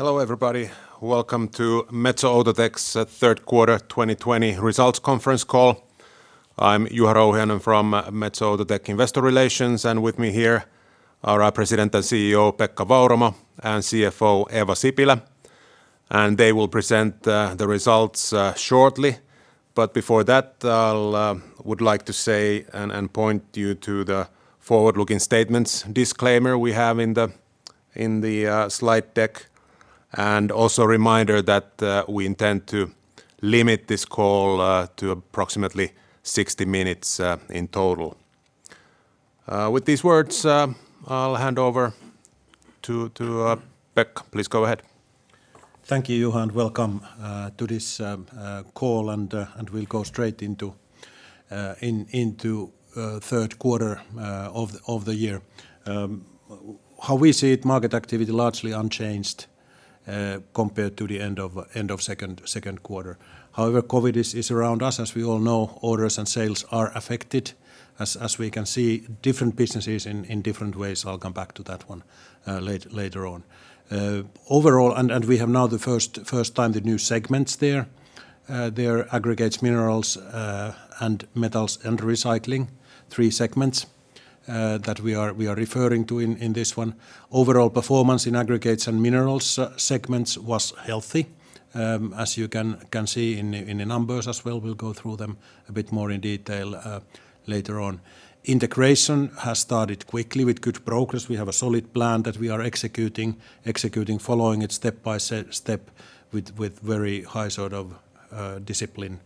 Hello everybody. Welcome to Metso Outotec's third quarter 2020 results conference call. I'm Juha Rouhiainen from Metso Outotec investor relations, and with me here are our President and CEO, Pekka Vauramo, and CFO, Eeva Sipilä. They will present the results shortly. Before that, I would like to say and point you to the forward-looking statements disclaimer we have in the slide deck, and also a reminder that we intend to limit this call to approximately 60 minutes in total. With these words, I'll hand over to Pekka. Please go ahead. Thank you, Juha, and welcome to this call. We'll go straight into the third quarter of the year. How we see it, market activity largely unchanged compared to the end of the second quarter. However, COVID is around us, as we all know. Orders and sales are affected, as we can see, different businesses in different ways. I'll come back to that one later on. We have now the first time the new segments there. They are Aggregates, Minerals, and Metals and Recycling, three segments that we are referring to in this one. Overall performance in Aggregates and Minerals segments was healthy, as you can see in the numbers as well. We'll go through them a bit more in detail later on. Integration has started quickly with good progress. We have a solid plan that we are executing, following it step by step with very high discipline.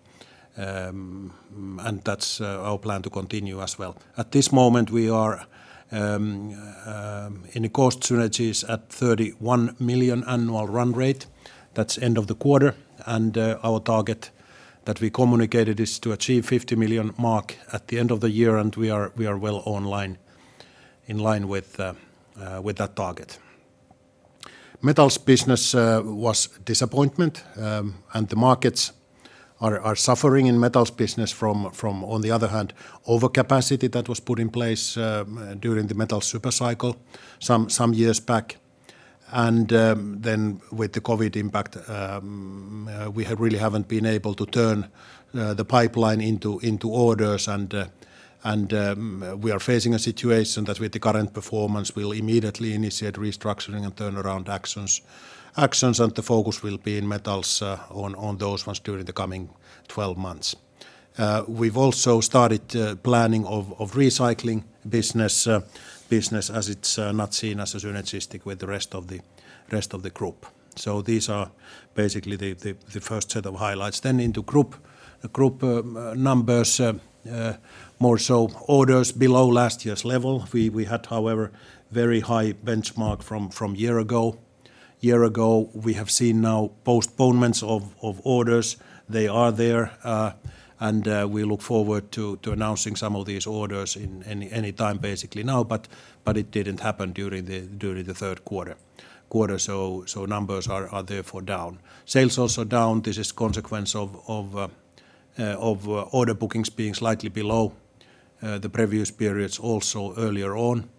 That's our plan to continue as well. At this moment, we are in cost synergies at 31 million annual run rate. That's end of the quarter. Our target that we communicated is to achieve 50 million mark at the end of the year. We are well in line with that target. Metals business was a disappointment. The markets are suffering in the metals business from, on the other hand, overcapacity that was put in place during the metal super cycle some years back. With the COVID impact, we really haven't been able to turn the pipeline into orders. We are facing a situation that with the current performance, we'll immediately initiate restructuring and turnaround actions. The focus will be in metals on those ones during the coming 12 months. We've also started planning of recycling business, as it's not seen as synergistic with the rest of the group. These are basically the first set of highlights. Into group numbers, more so orders below last year's level. We had, however, a very high benchmark from a year ago. We have seen now postponements of orders. They are there, and we look forward to announcing some of these orders any time basically now, but it didn't happen during the third quarter, so numbers are therefore down. Sales are also down. This is a consequence of order bookings being slightly below the previous periods also earlier on.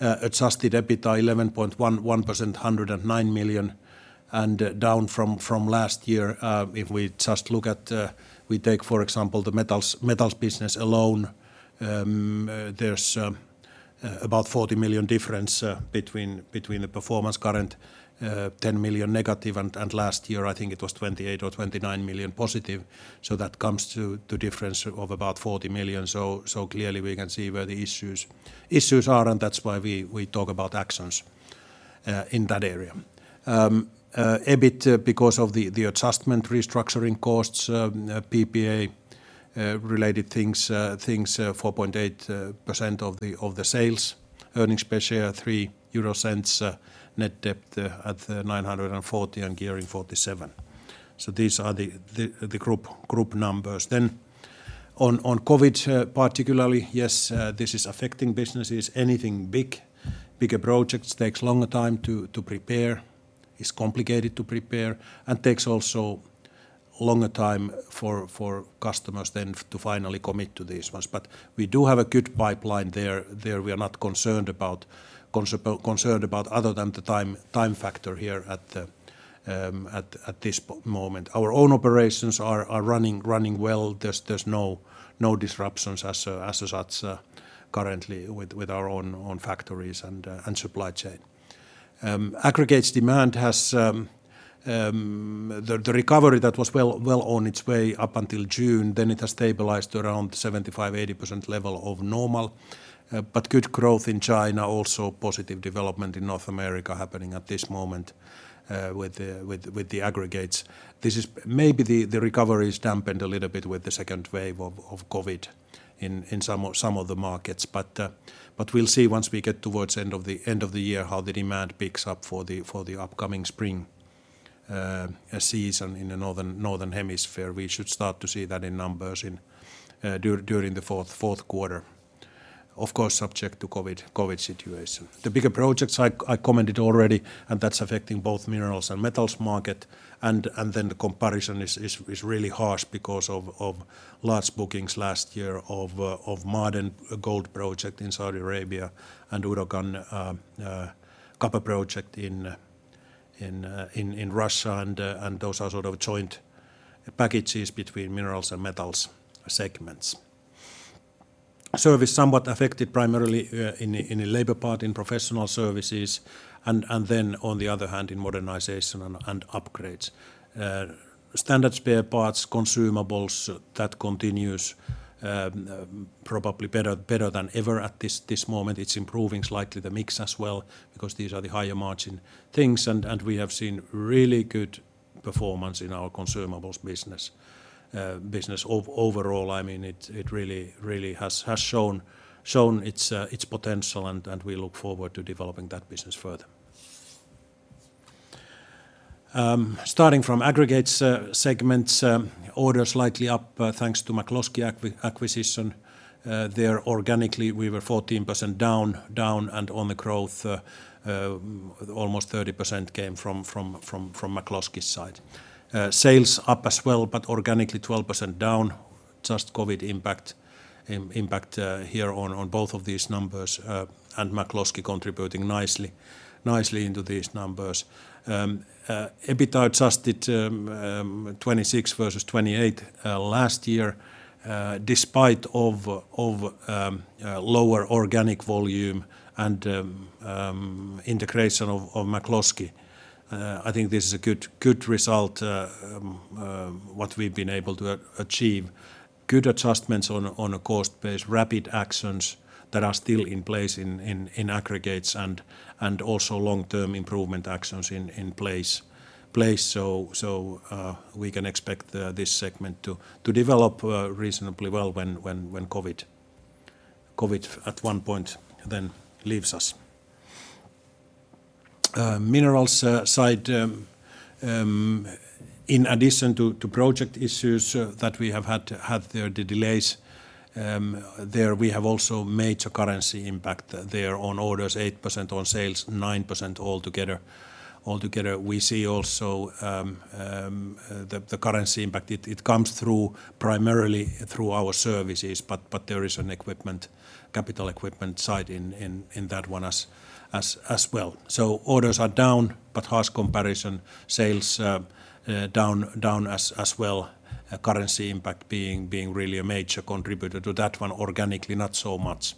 Adjusted EBITA, 11.1%, 109 million, and down from last year. If we take, for example, the metals business alone, there's about a 40 million difference between the performance current, 10 million negative, and last year, I think it was 28 or 29 million positive. That comes to a difference of about 40 million. Clearly we can see where the issues are, and that's why we talk about actions in that area. EBIT because of the adjustment restructuring costs, PPA-related things, 4.8% of the sales. Earnings per share, 0.03. Net debt at 940 and gearing 47%. These are the group numbers. On COVID, particularly, yes, this is affecting businesses. Anything big, bigger projects, takes a longer time to prepare, is complicated to prepare, and takes also a longer time for customers then to finally commit to these ones. We do have a good pipeline there. We are not concerned about other than the time factor here at this moment. Our own operations are running well. There's no disruptions as such currently with our own factories and supply chain. Aggregates demand, the recovery that was well on its way up until June, then it has stabilized around 75%-80% level of normal, but good growth in China, also positive development in North America happening at this moment with the aggregates. Maybe the recovery is dampened a little bit with the second wave of COVID in some of the markets. We'll see once we get towards the end of the year how the demand picks up for the upcoming spring season in the northern hemisphere. We should start to see that in numbers during the fourth quarter. Of course, subject to the COVID situation. The bigger projects I commented already, and that's affecting both minerals and metals market. The comparison is really harsh because of large bookings last year of Ma'aden gold project in Saudi Arabia and Udokan copper project in Russia, and those are joint packages between minerals and metals segments. Service somewhat affected primarily in the labor part in professional services, and then on the other hand, in modernization and upgrades. Standard spare parts, consumables, that continues probably better than ever at this moment. It's improving slightly the mix as well because these are the higher margin things, and we have seen really good performance in our consumables business. Business overall, it really has shown its potential, and we look forward to developing that business further. Aggregates segments, orders slightly up thanks to McCloskey acquisition. There organically, we were 14% down. On the growth, almost 30% came from McCloskey's side. Sales up as well, organically 12% down. Just COVID impact here on both of these numbers. McCloskey contributing nicely into these numbers. EBITDA adjusted, 26 versus 28 last year, despite of lower organic volume and integration of McCloskey. I think this is a good result, what we've been able to achieve. Good adjustments on a cost base, rapid actions that are still in place in Aggregates, and also long-term improvement actions in place. We can expect this segment to develop reasonably well when COVID at one point then leaves us. Minerals side, in addition to project issues that we have had there, the delays there, we have also major currency impact there on orders, 8%, on sales, 9% altogether. We see also the currency impact. It comes primarily through our services, but there is an capital equipment side in that one as well. Orders are down, but harsh comparison, sales down as well. Currency impact being really a major contributor to that one, organically not so much.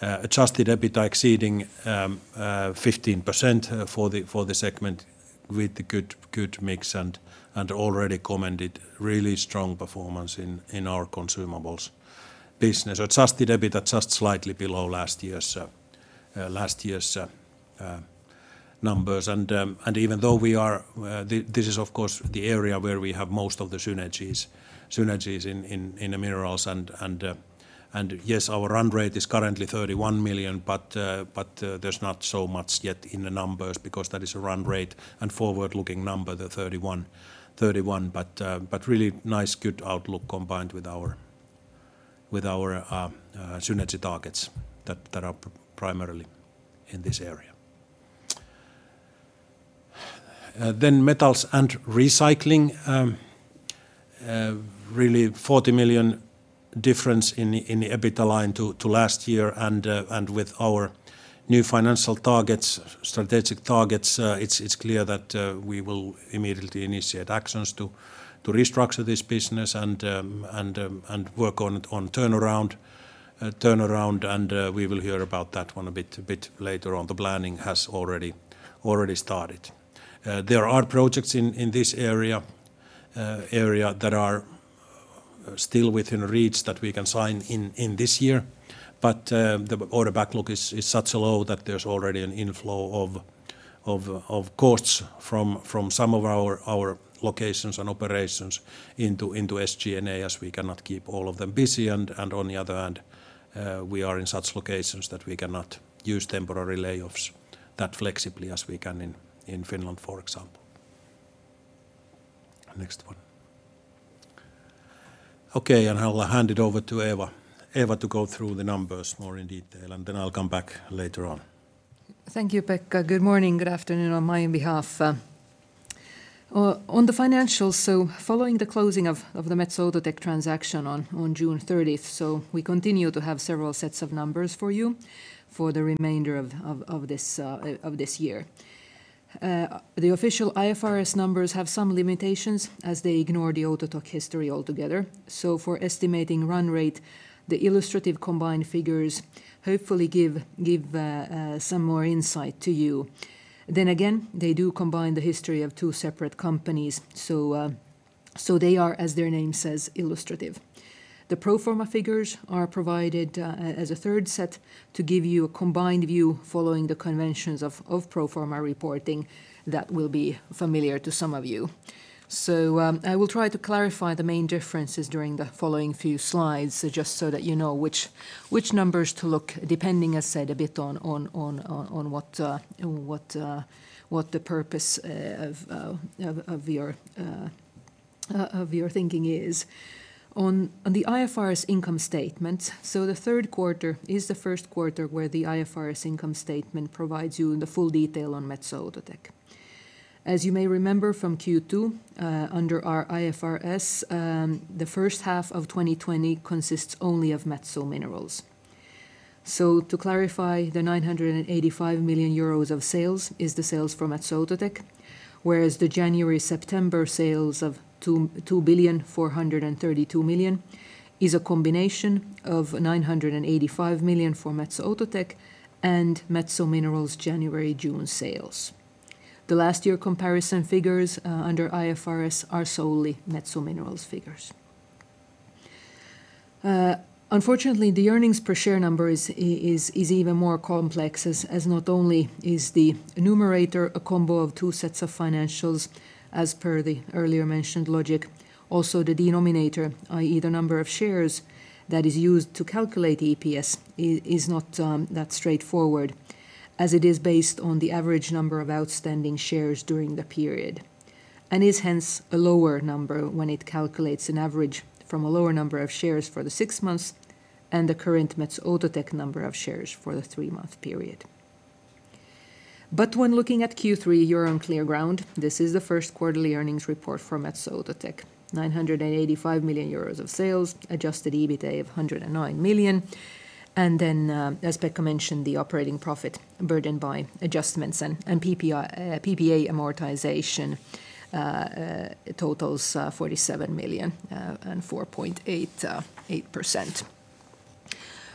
Adjusted EBITDA exceeding 15% for the segment with a good mix and already commented really strong performance in our consumables business. Adjusted EBITDA just slightly below last year's numbers. Even though this is of course the area where we have most of the synergies in the Minerals. Yes, our run rate is currently 31 million, but there's not so much yet in the numbers because that is a run rate and forward-looking number, the 31. Really nice, good outlook combined with our synergy targets that are primarily in this area. Metals and Recycling, really 40 million difference in the EBITDA line to last year. With our new financial strategic targets, it's clear that we will immediately initiate actions to restructure this business and work on turnaround, and we will hear about that one a bit later on. The planning has already started. There are projects in this area that are still within reach that we can sign in this year. The order backlog is such low that there's already an inflow of costs from some of our locations and operations into SG&A, as we cannot keep all of them busy. On the other hand, we are in such locations that we cannot use temporary layoffs that flexibly as we can in Finland, for example. Next one. Okay, I'll hand it over to Eeva to go through the numbers more in detail, and then I'll come back later on. Thank you, Pekka. Good morning, good afternoon on my behalf. On the financials, following the closing of the Metso Outotec transaction on June 30th, we continue to have several sets of numbers for you for the remainder of this year. The official IFRS numbers have some limitations as they ignore the Outotec history altogether. For estimating run rate, the illustrative combined figures hopefully give some more insight to you. They do combine the history of two separate companies, they are, as their name says, illustrative. The pro forma figures are provided as a third set to give you a combined view following the conventions of pro forma reporting that will be familiar to some of you. I will try to clarify the main differences during the following few slides, just so that you know which numbers to look, depending, as said, a bit on what the purpose of your thinking is. On the IFRS income statement, the third quarter is the first quarter where the IFRS income statement provides you the full detail on Metso Outotec. As you may remember from Q2, under our IFRS, the first half of 2020 consists only of Metso Minerals. To clarify, the 985 million euros of sales is the sales from Metso Outotec, whereas the January-September sales of 2.432 billion is a combination of 985 million for Metso Outotec and Metso Minerals' January-June sales. The last year comparison figures under IFRS are solely Metso Minerals figures. Unfortunately, the earnings per share number is even more complex, as not only is the numerator a combo of two sets of financials as per the earlier mentioned logic, also the denominator, i.e. the number of shares that is used to calculate EPS, is not that straightforward, as it is based on the average number of outstanding shares during the period, and is hence a lower number when it calculates an average from a lower number of shares for the six months and the current Metso Outotec number of shares for the three-month period. When looking at Q3, you're on clear ground. This is the first quarterly earnings report from Metso Outotec. 985 million euros of sales, adjusted EBITA of 109 million, and then, as Pekka mentioned, the operating profit burdened by adjustments and PPA amortization totals EUR 47 million and 4.88%.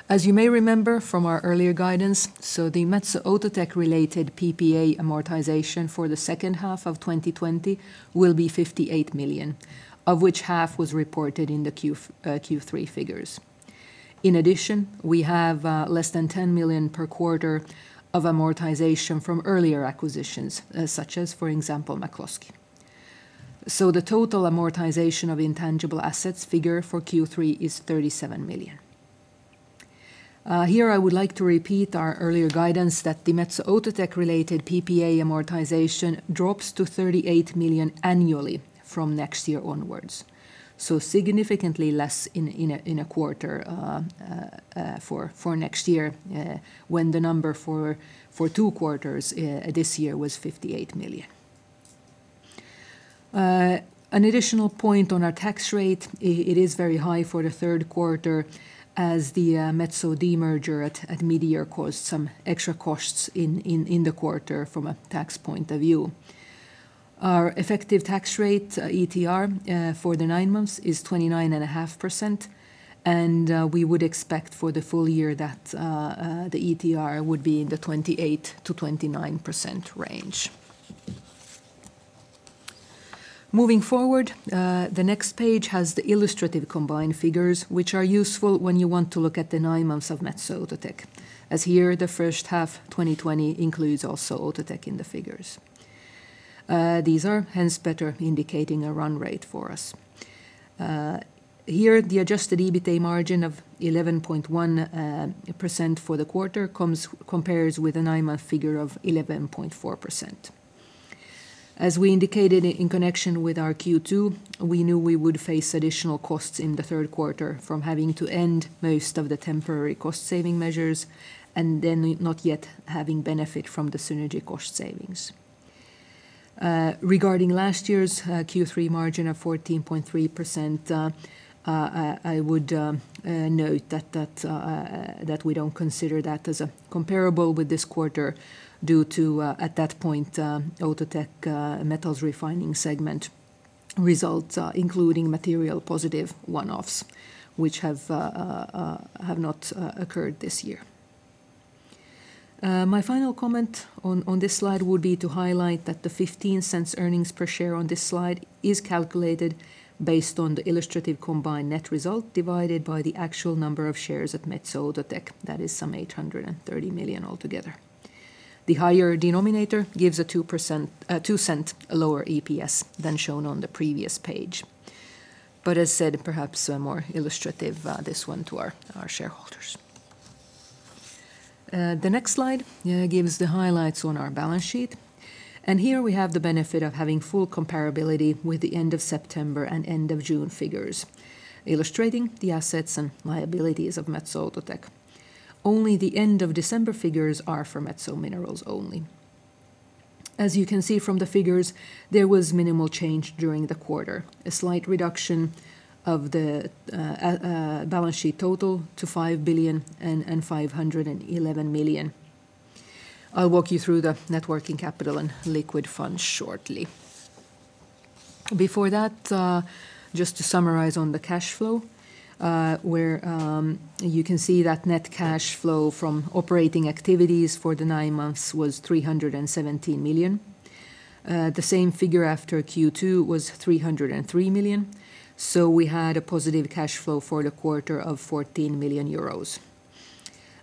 As you may remember from our earlier guidance, the Metso Outotec-related PPA amortization for the second half of 2020 will be 58 million, of which half was reported in the Q3 figures. In addition, we have less than 10 million per quarter of amortization from earlier acquisitions, such as, for example, McCloskey. The total amortization of intangible assets figure for Q3 is 37 million. Here I would like to repeat our earlier guidance that the Metso Outotec-related PPA amortization drops to 38 million annually from next year onwards. Significantly less in a quarter for next year, when the number for two quarters this year was 58 million. An additional point on our tax rate, it is very high for the third quarter as the Metso demerger at mid-year caused some extra costs in the quarter from a tax point of view. Our effective tax rate, ETR, for the nine months is 29.5%, and we would expect for the full year that the ETR would be in the 28%-29% range. Moving forward, the next page has the illustrative combined figures, which are useful when you want to look at the nine months of Metso Outotec, as here the first half 2020 includes also Outotec in the figures. These are hence better indicating a run rate for us. Here, the adjusted EBITA margin of 11.1% for the quarter compares with a nine-month figure of 11.4%. As we indicated in connection with our Q2, we knew we would face additional costs in the third quarter from having to end most of the temporary cost-saving measures and then not yet having benefit from the synergy cost savings. Regarding last year's Q3 margin of 14.3%, I would note that we don't consider that as comparable with this quarter due to, at that point, Outotec Metals Refining segment results, including material positive one-offs, which have not occurred this year. My final comment on this slide would be to highlight that the $0.15 EPS on this slide is calculated based on the illustrative combined net result divided by the actual number of shares at Metso Outotec. That is some 830 million altogether. The higher denominator gives a $0.02 lower EPS than shown on the previous page. As said, perhaps more illustrative, this one, to our shareholders. The next slide gives the highlights on our balance sheet. Here we have the benefit of having full comparability with the end of September and end of June figures, illustrating the assets and liabilities of Metso Outotec. Only the end of December figures are for Metso Minerals only. As you can see from the figures, there was minimal change during the quarter. A slight reduction of the balance sheet total to 5.511 billion. I'll walk you through the net working capital and liquid funds shortly. Before that, just to summarize on the cash flow, where you can see that net cash flow from operating activities for the nine months was 317 million. The same figure after Q2 was 303 million. We had a positive cash flow for the quarter of 14 million euros.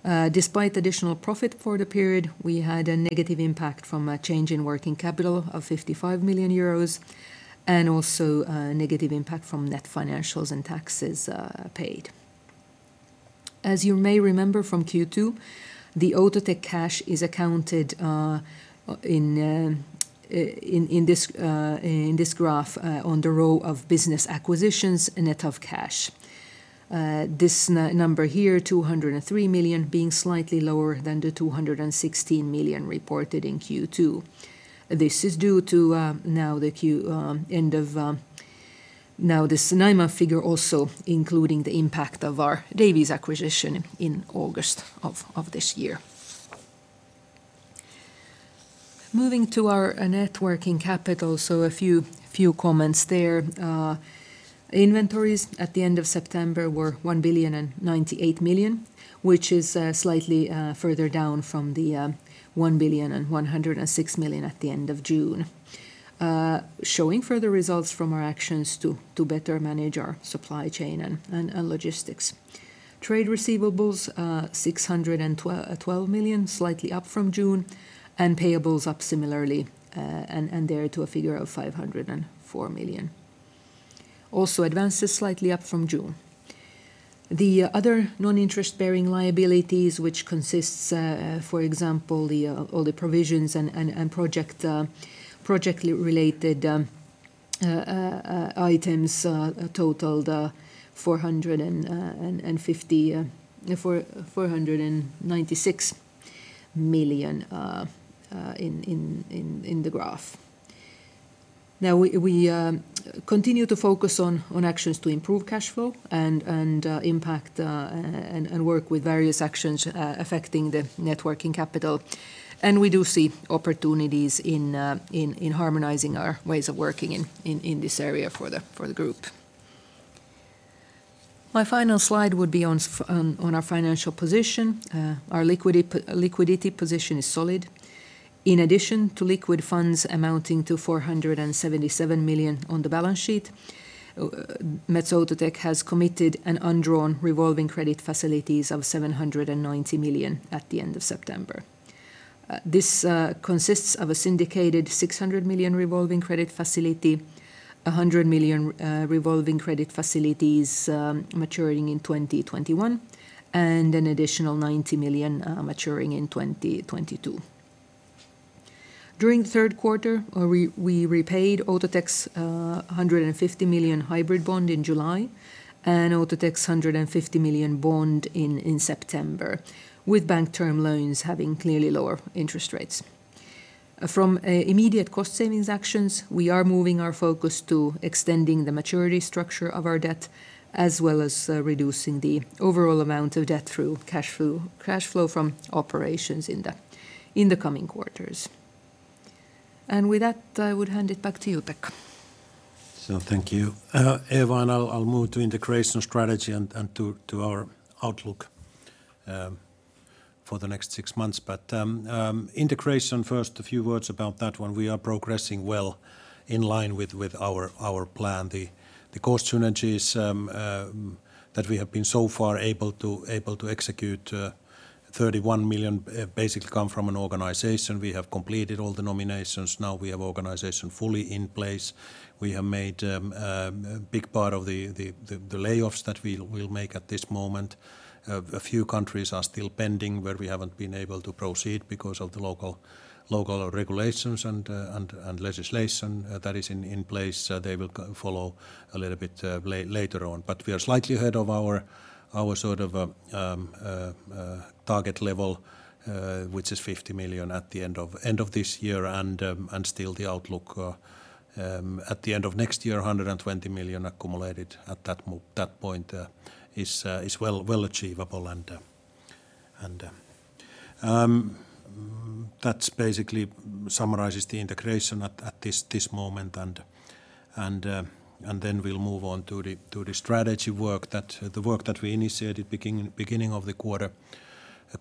Despite additional profit for the period, we had a negative impact from a change in working capital of 55 million euros and also a negative impact from net financials and taxes paid. As you may remember from Q2, the Outotec cash is accounted in this graph on the row of business acquisitions net of cash. This number here, 203 million, being slightly lower than the 216 million reported in Q2. This is due to Now, this nine-month figure also including the impact of our Davies acquisition in August of this year. Moving to our net working capital, a few comments there. Inventories at the end of September were 1,098 million, which is slightly further down from the 1,106 million at the end of June, showing further results from our actions to better manage our supply chain and logistics. Trade receivables, 612 million, slightly up from June, and payables up similarly, and there to a figure of 504 million. Also advances slightly up from June. The other non-interest-bearing liabilities, which consists, for example, all the provisions and project-related items totaled 496 million in the graph. We continue to focus on actions to improve cash flow and impact and work with various actions affecting the net working capital. We do see opportunities in harmonizing our ways of working in this area for the group. My final slide would be on our financial position. Our liquidity position is solid. In addition to liquid funds amounting to 477 million on the balance sheet, Metso Outotec has committed an undrawn revolving credit facilities of 790 million at the end of September. This consists of a syndicated 600 million revolving credit facility, 100 million revolving credit facilities maturing in 2021, and an additional 90 million maturing in 2022. During the third quarter, we repaid Outotec's 150 million hybrid bond in July and Outotec's 150 million bond in September, with bank term loans having clearly lower interest rates. From immediate cost savings actions, we are moving our focus to extending the maturity structure of our debt, as well as reducing the overall amount of debt through cash flow from operations in the coming quarters. With that, I would hand it back to you, Pekka. Thank you, Eeva, and I'll move to integration strategy and to our outlook for the next 6 months. Integration first, a few words about that one. We are progressing well in line with our plan. The cost synergies that we have been so far able to execute, 31 million basically come from an organization. We have completed all the nominations. Now we have organization fully in place. We have made a big part of the layoffs that we'll make at this moment. A few countries are still pending where we haven't been able to proceed because of the local regulations and legislation that is in place. They will follow a little bit later on. We are slightly ahead of our target level, which is EUR 50 million at the end of this year. Still the outlook at the end of next year, 120 million accumulated at that point is well achievable. That basically summarizes the integration at this moment. Then we'll move on to the strategy work, the work that we initiated beginning of the quarter.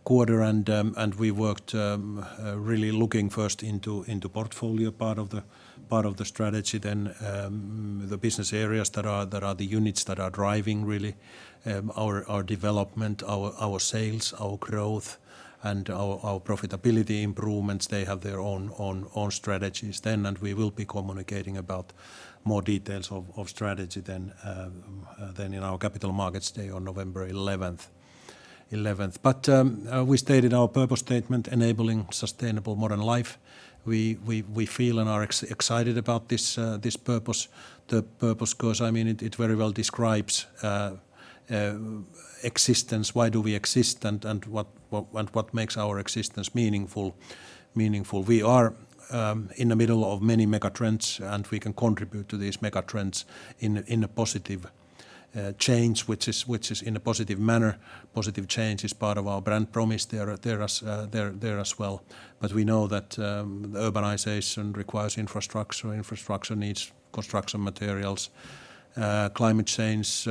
We worked really looking first into portfolio part of the strategy, then the business areas that are the units that are driving really our development, our sales, our growth, and our profitability improvements. They have their own strategies then, and we will be communicating about more details of strategy then in our capital markets day on November 11th. We stated our purpose statement, enabling sustainable modern life. We feel and are excited about this purpose, because it very well describes existence, why do we exist, and what makes our existence meaningful. We are in the middle of many mega trends, and we can contribute to these mega trends in a positive change, which is in a positive manner. Positive change is part of our brand promise there as well. We know that urbanization requires infrastructure. Infrastructure needs construction materials. Climate change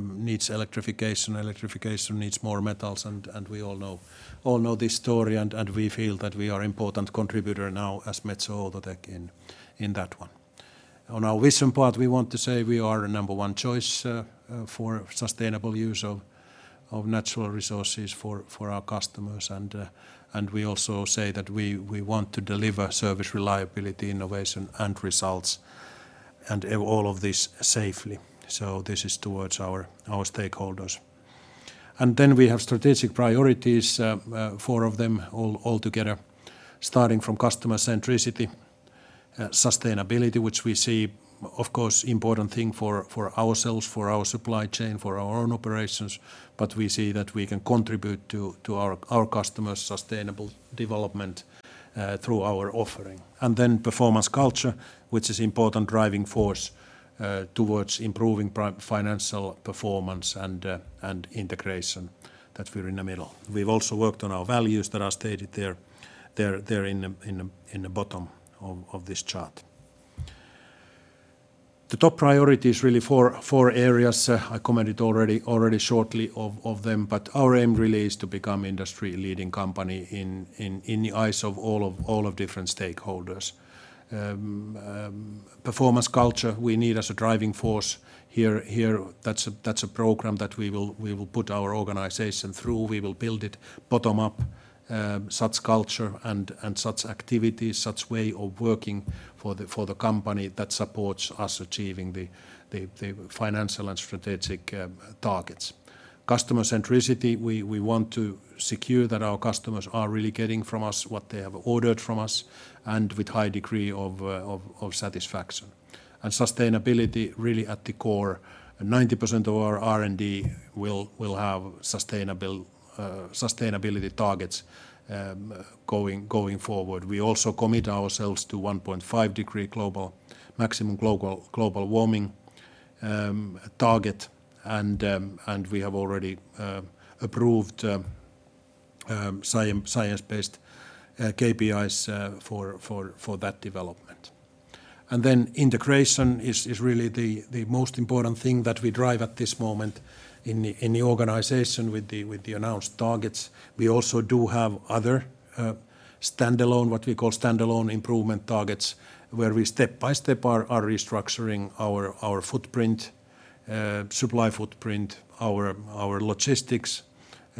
needs electrification. Electrification needs more metals. We all know this story, and we feel that we are important contributor now as Metso Outotec in that one. On our vision part, we want to say we are a number 1 choice for sustainable use of natural resources for our customers, and we also say that we want to deliver service, reliability, innovation, and results, and all of this safely. This is towards our stakeholders. We have strategic priorities, four of them altogether, starting from customer centricity, sustainability, which we see, of course, important thing for ourselves, for our supply chain, for our own operations. We see that we can contribute to our customers' sustainable development through our offering. Performance culture, which is important driving force towards improving financial performance and integration that we're in the middle. We've also worked on our values that are stated there in the bottom of this chart. The top priority is really four areas. I commented already shortly of them, but our aim really is to become industry-leading company in the eyes of all of different stakeholders. Performance culture we need as a driving force here. That's a program that we will put our organization through. We will build it bottom-up, such culture and such activities, such way of working for the company that supports us achieving the financial and strategic targets. Customer centricity, we want to secure that our customers are really getting from us what they have ordered from us and with high degree of satisfaction. Sustainability really at the core, 90% of our R&D will have sustainability targets going forward. We also commit ourselves to 1.5 degree maximum global warming target. We have already approved science-based KPIs for that development. Integration is really the most important thing that we drive at this moment in the organization with the announced targets. We also do have other standalone, what we call standalone improvement targets, where we step by step are restructuring our footprint, supply footprint our logistics,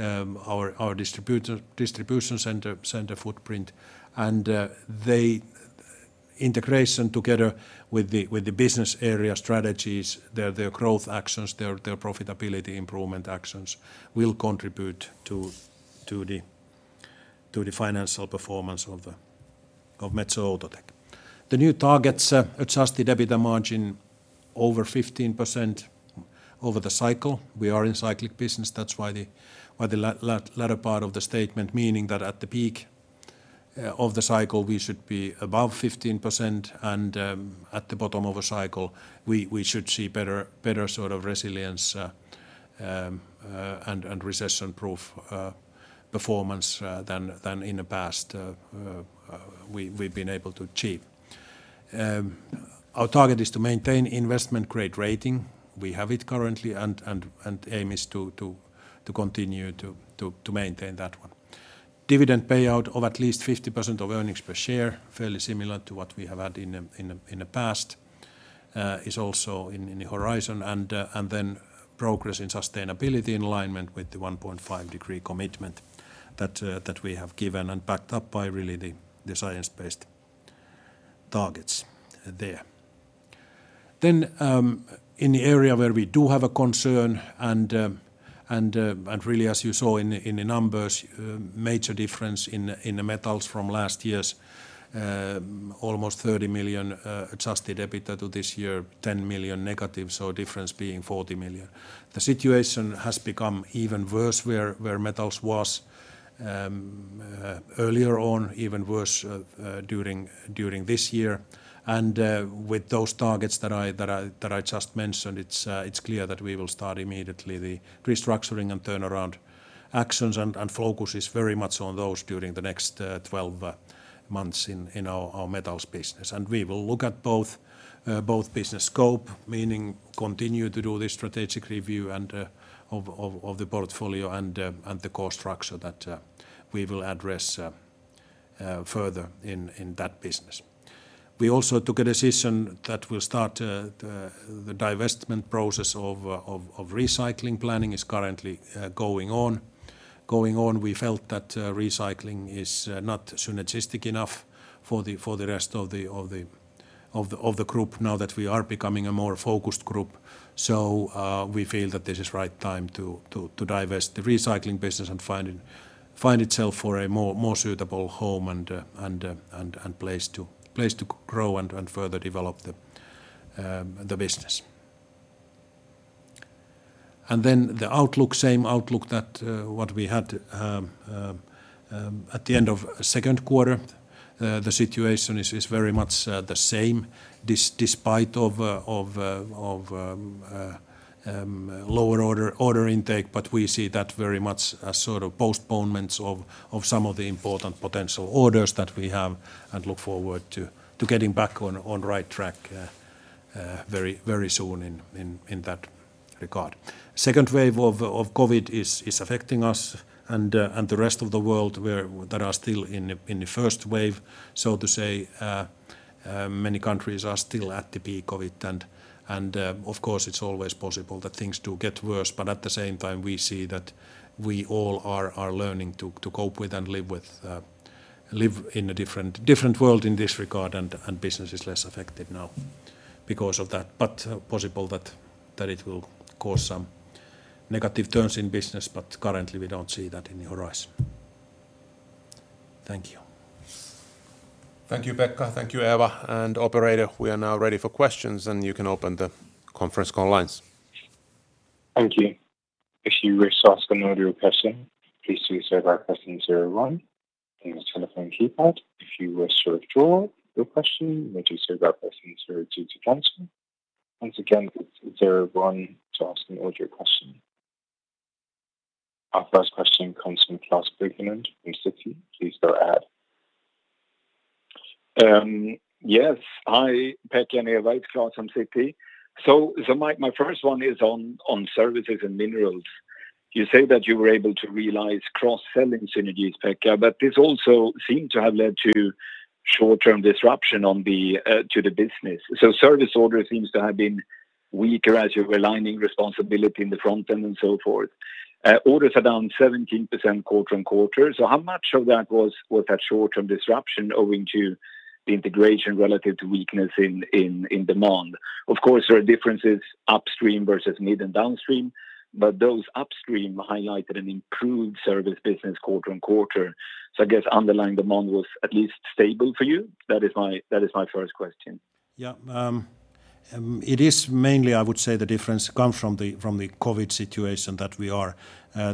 our distribution center footprint, and the integration together with the business area strategies, their growth actions, their profitability improvement actions will contribute to the financial performance of Metso Outotec. The new targets adjusted EBITDA margin over 15% over the cycle. We are in cyclic business. That's why the latter part of the statement, meaning that at the peak of the cycle, we should be above 15% and at the bottom of a cycle, we should see better sort of resilience and recession-proof performance than in the past we've been able to achieve. Our target is to maintain investment-grade rating. We have it currently and aim is to continue to maintain that one. Dividend payout of at least 50% of earnings per share, fairly similar to what we have had in the past is also in the horizon. Progress in sustainability in alignment with the 1.5 degree commitment that we have given and backed up by really the science-based targets there. In the area where we do have a concern and really as you saw in the numbers, major difference in the metals from last year's almost 30 million adjusted EBITDA to this year, 10 million negative, so difference being 40 million. The situation has become even worse where metals was earlier on, even worse during this year. With those targets that I just mentioned, it's clear that we will start immediately the restructuring and turnaround actions and focus is very much on those during the next 12 months in our metals business. We will look at both business scope, meaning continue to do the strategic review of the portfolio and the cost structure that we will address further in that business. We also took a decision that we'll start the divestment process of recycling. Planning is currently going on. We felt that recycling is not synergistic enough for the rest of the group now that we are becoming a more focused group. We feel that this is right time to divest the recycling business and find itself for a more suitable home and place to grow and further develop the business. The outlook, same outlook that what we had at the end of second quarter. The situation is very much the same despite lower order intake. We see that very much as sort of postponements of some of the important potential orders that we have and look forward to getting back on right track very soon in that regard. Second wave of COVID is affecting us and the rest of the world that are still in the first wave, so to say, many countries are still at the peak of it. Of course, it's always possible that things do get worse. At the same time, we see that we all are learning to cope with and live in a different world in this regard. Business is less affected now because of that. Possible that it will cause some negative turns in business. Currently we don't see that in the horizon. Thank you. Thank you, Pekka. Thank you, Eeva. Operator, we are now ready for questions, and you can open the conference call lines. Thank you. If you wish to ask an audio question, please do so by pressing zero one on your telephone keypad. If you wish to withdraw your question, you may do so by pressing zero two to cancel. Once again, it's zero one to ask an audio question. Our first question comes from Klas Bergelind from Citi. Please go ahead. Yes. Hi, Pekka and Eeva. It's Klas from Citi. My first one is on Services and Minerals. You say that you were able to realize cross-selling synergies, Pekka, but this also seemed to have led to short-term disruption to the business. Service orders seems to have been weaker as you were aligning responsibility in the front end and so forth. Orders are down 17% quarter-on-quarter. How much of that was that short-term disruption owing to the integration relative to weakness in demand? Of course, there are differences upstream versus mid- and downstream, but those upstream highlighted an improved service business quarter-on-quarter. I guess underlying demand was at least stable for you. That is my first question. Yeah. It is mainly, I would say, the difference comes from the COVID situation that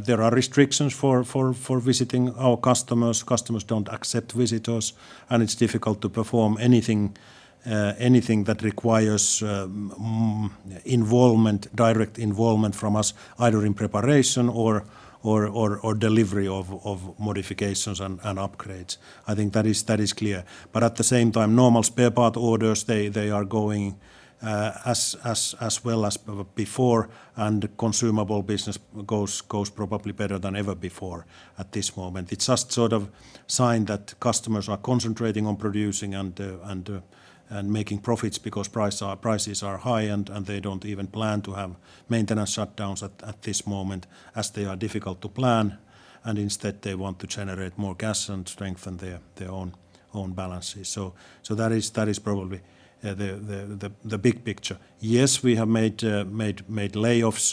there are restrictions for visiting our customers. Customers don't accept visitors, and it's difficult to perform anything that requires direct involvement from us, either in preparation or delivery of modifications and upgrades. I think that is clear. At the same time, normal spare part orders, they are going as well as before, and consumable business goes probably better than ever before at this moment. It's just sort of sign that customers are concentrating on producing and making profits because prices are high, and they don't even plan to have maintenance shutdowns at this moment as they are difficult to plan. Instead, they want to generate more cash and strengthen their own balances. That is probably the big picture. Yes, we have made layoffs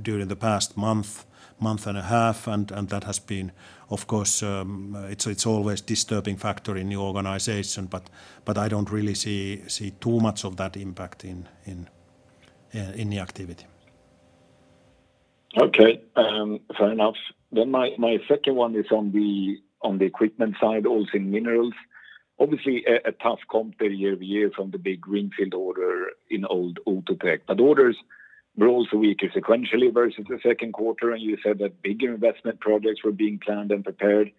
during the past month and a half, and that has been, of course, it's always disturbing factor in the organization, but I don't really see too much of that impact in the activity. Okay. Fair enough. My second one is on the equipment side, also in Minerals. Obviously, a tough comp year-over-year from the big greenfield order in old Outotec. Orders were also weaker sequentially versus the second quarter, and you said that bigger investment projects were being planned and prepared,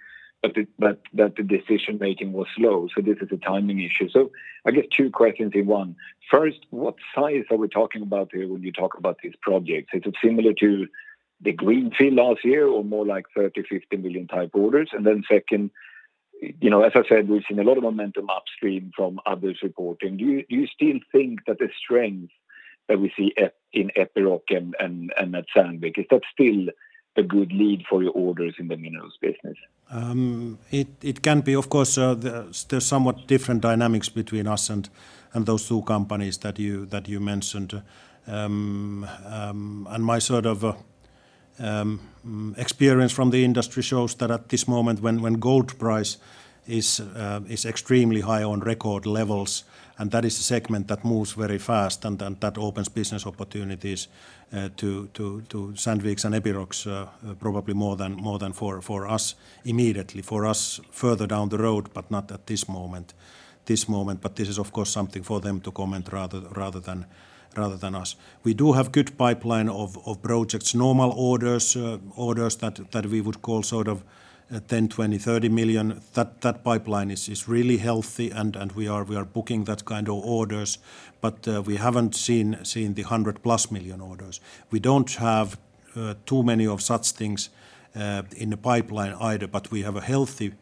but that the decision-making was slow. This is a timing issue. I guess two questions in one. First, what size are we talking about here when you talk about these projects? Is it similar to the greenfield last year or more like 30 million, 50 million type orders? Second, as I said, we've seen a lot of momentum upstream from others reporting. Do you still think that the strength that we see in Epiroc and at Sandvik, is that still a good lead for your orders in the Minerals business? It can be. Of course, there's somewhat different dynamics between us and those two companies that you mentioned. My sort of experience from the industry shows that at this moment, when gold price is extremely high on record levels, and that is a segment that moves very fast, and that opens business opportunities to Sandvik's and Epiroc's probably more than for us immediately. For us, further down the road, but not at this moment. This is, of course, something for them to comment rather than us. We do have good pipeline of projects, normal orders that we would call sort of 10 million, 20 million, 30 million. That pipeline is really healthy, and we are booking that kind of orders, but we haven't seen the 100+ million orders. We don't have too many of such things in the pipeline either. We have a healthy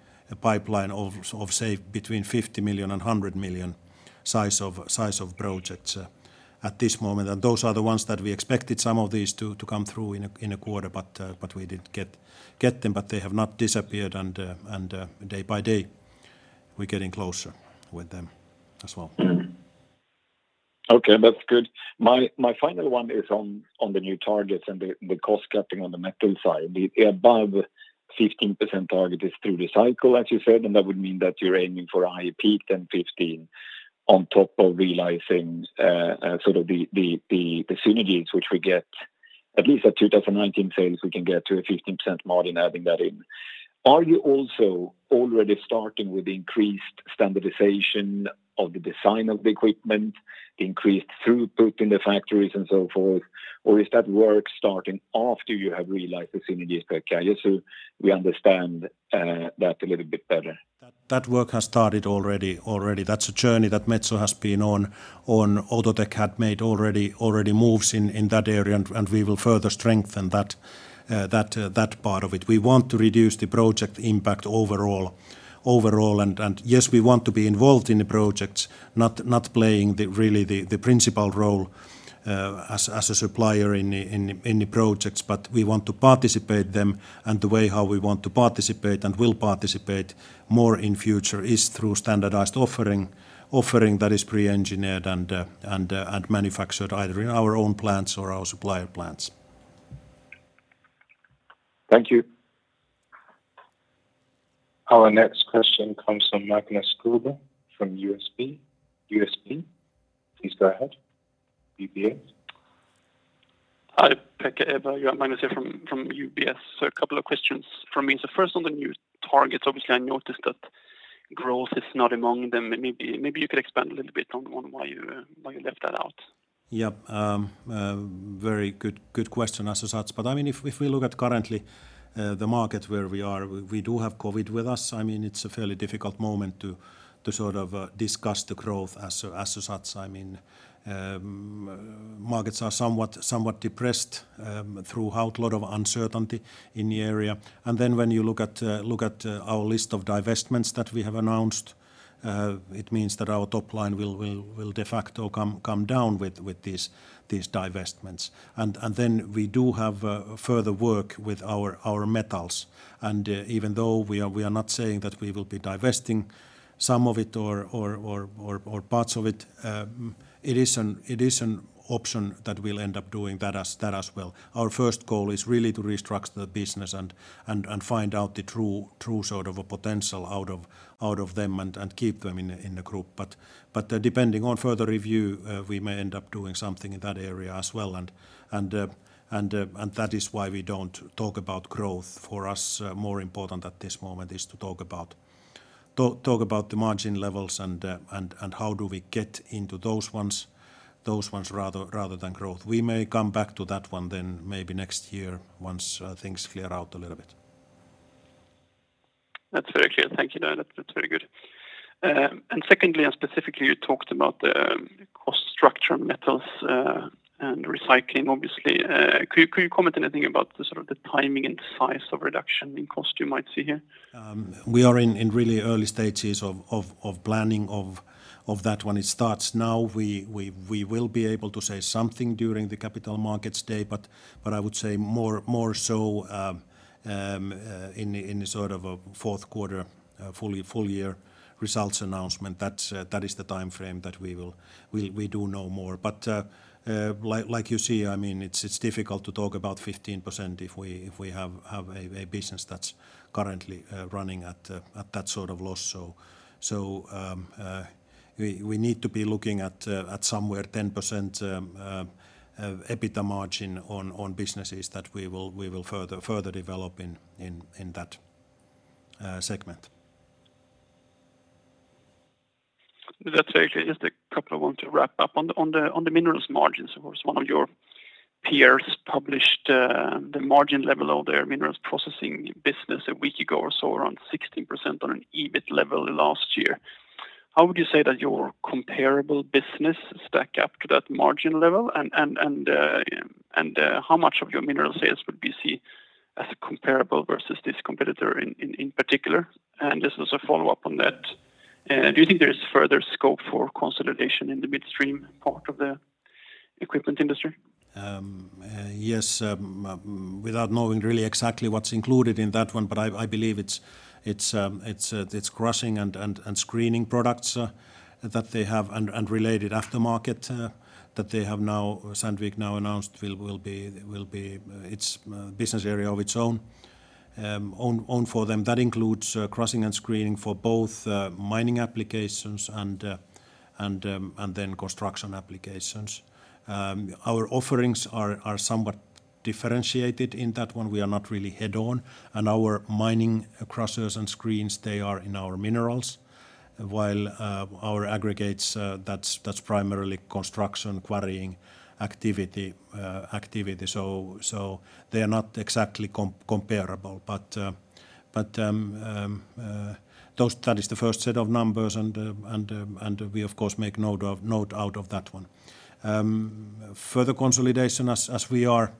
pipeline of, say, between 50 million-100 million size of projects at this moment. Those are the ones that we expected some of these to come through in a quarter. We didn't get them. They have not disappeared. Day by day, we're getting closer with them as well. Okay. That's good. My final one is on the new targets and the cost-cutting on the Metso side. The above 15% target is through the cycle, as you said, and that would mean that you're aiming for IEP 1015 on top of realizing sort of the synergies which we get at least at 2019 sales, we can get to a 15% margin adding that in. Are you also already starting with increased standardization of the design of the equipment, increased throughput in the factories, and so forth? Or is that work starting after you have realized the synergies, Pekka, just so we understand that a little bit better? That work has started already. That's a journey that Metso has been on. Outotec had made already moves in that area, and we will further strengthen that part of it. We want to reduce the project impact overall, and yes, we want to be involved in the projects, not playing really the principal role as a supplier in the projects, but we want to participate them, and the way how we want to participate and will participate more in future is through standardized offering that is pre-engineered and manufactured either in our own plants or our supplier plants. Thank you. Our next question comes from Magnus Kruber from UBS. Please go ahead. UBS. Hi, Pekka, Eeva. You have Magnus here from UBS. A couple of questions from me. First, on the new targets, obviously I noticed that growth is not among them. Maybe you could expand a little bit on why you left that out. Yeah. Very good question as such. If we look at currently the market where we are, we do have COVID with us. It's a fairly difficult moment to discuss the growth as such. Markets are somewhat depressed throughout, a lot of uncertainty in the area. When you look at our list of divestments that we have announced, it means that our top line will de facto come down with these divestments. We do have further work with our metals. Even though we are not saying that we will be divesting some of it or parts of it is an option that we'll end up doing that as well. Our first goal is really to restructure the business and find out the true potential out of them and keep them in the group. Depending on further review, we may end up doing something in that area as well and that is why we don't talk about growth. For us, more important at this moment is to talk about the margin levels and how do we get into those ones rather than growth. We may come back to that one then maybe next year once things clear out a little bit. That's very clear. Thank you. That's very good. Secondly, and specifically, you talked about the cost structure in Metals and Recycling, obviously. Could you comment anything about the sort of the timing and size of reduction in cost you might see here? We are in really early stages of planning of that one. It starts now. We will be able to say something during the Capital Markets Day, but I would say more so in the fourth quarter full year results announcement. That is the timeframe that we do know more. Like you see, it's difficult to talk about 15% if we have a business that's currently running at that sort of loss. We need to be looking at somewhere 10% EBITDA margin on businesses that we will further develop in that segment. That's very clear. Just a couple I want to wrap up. On the minerals margins, of course, one of your peers published the margin level of their minerals processing business a week ago or so, around 16% on an EBIT level last year. How would you say that your comparable business stack up to that margin level? How much of your mineral sales would we see as comparable versus this competitor in particular? Just as a follow-up on that, do you think there's further scope for consolidation in the midstream part of the equipment industry? Yes. Without knowing really exactly what's included in that one, but I believe it's crushing and screening products that they have, and related aftermarket that Sandvik now announced will be its business area of its own for them. That includes crushing and screening for both mining applications and then construction applications. Our offerings are somewhat differentiated in that one. We are not really head-on, and our mining crushers and screens, they are in our Minerals, while our aggregates, that's primarily construction quarrying activity. They are not exactly comparable. That is the first set of numbers and we of course make note out of that one. Further consolidation, as we are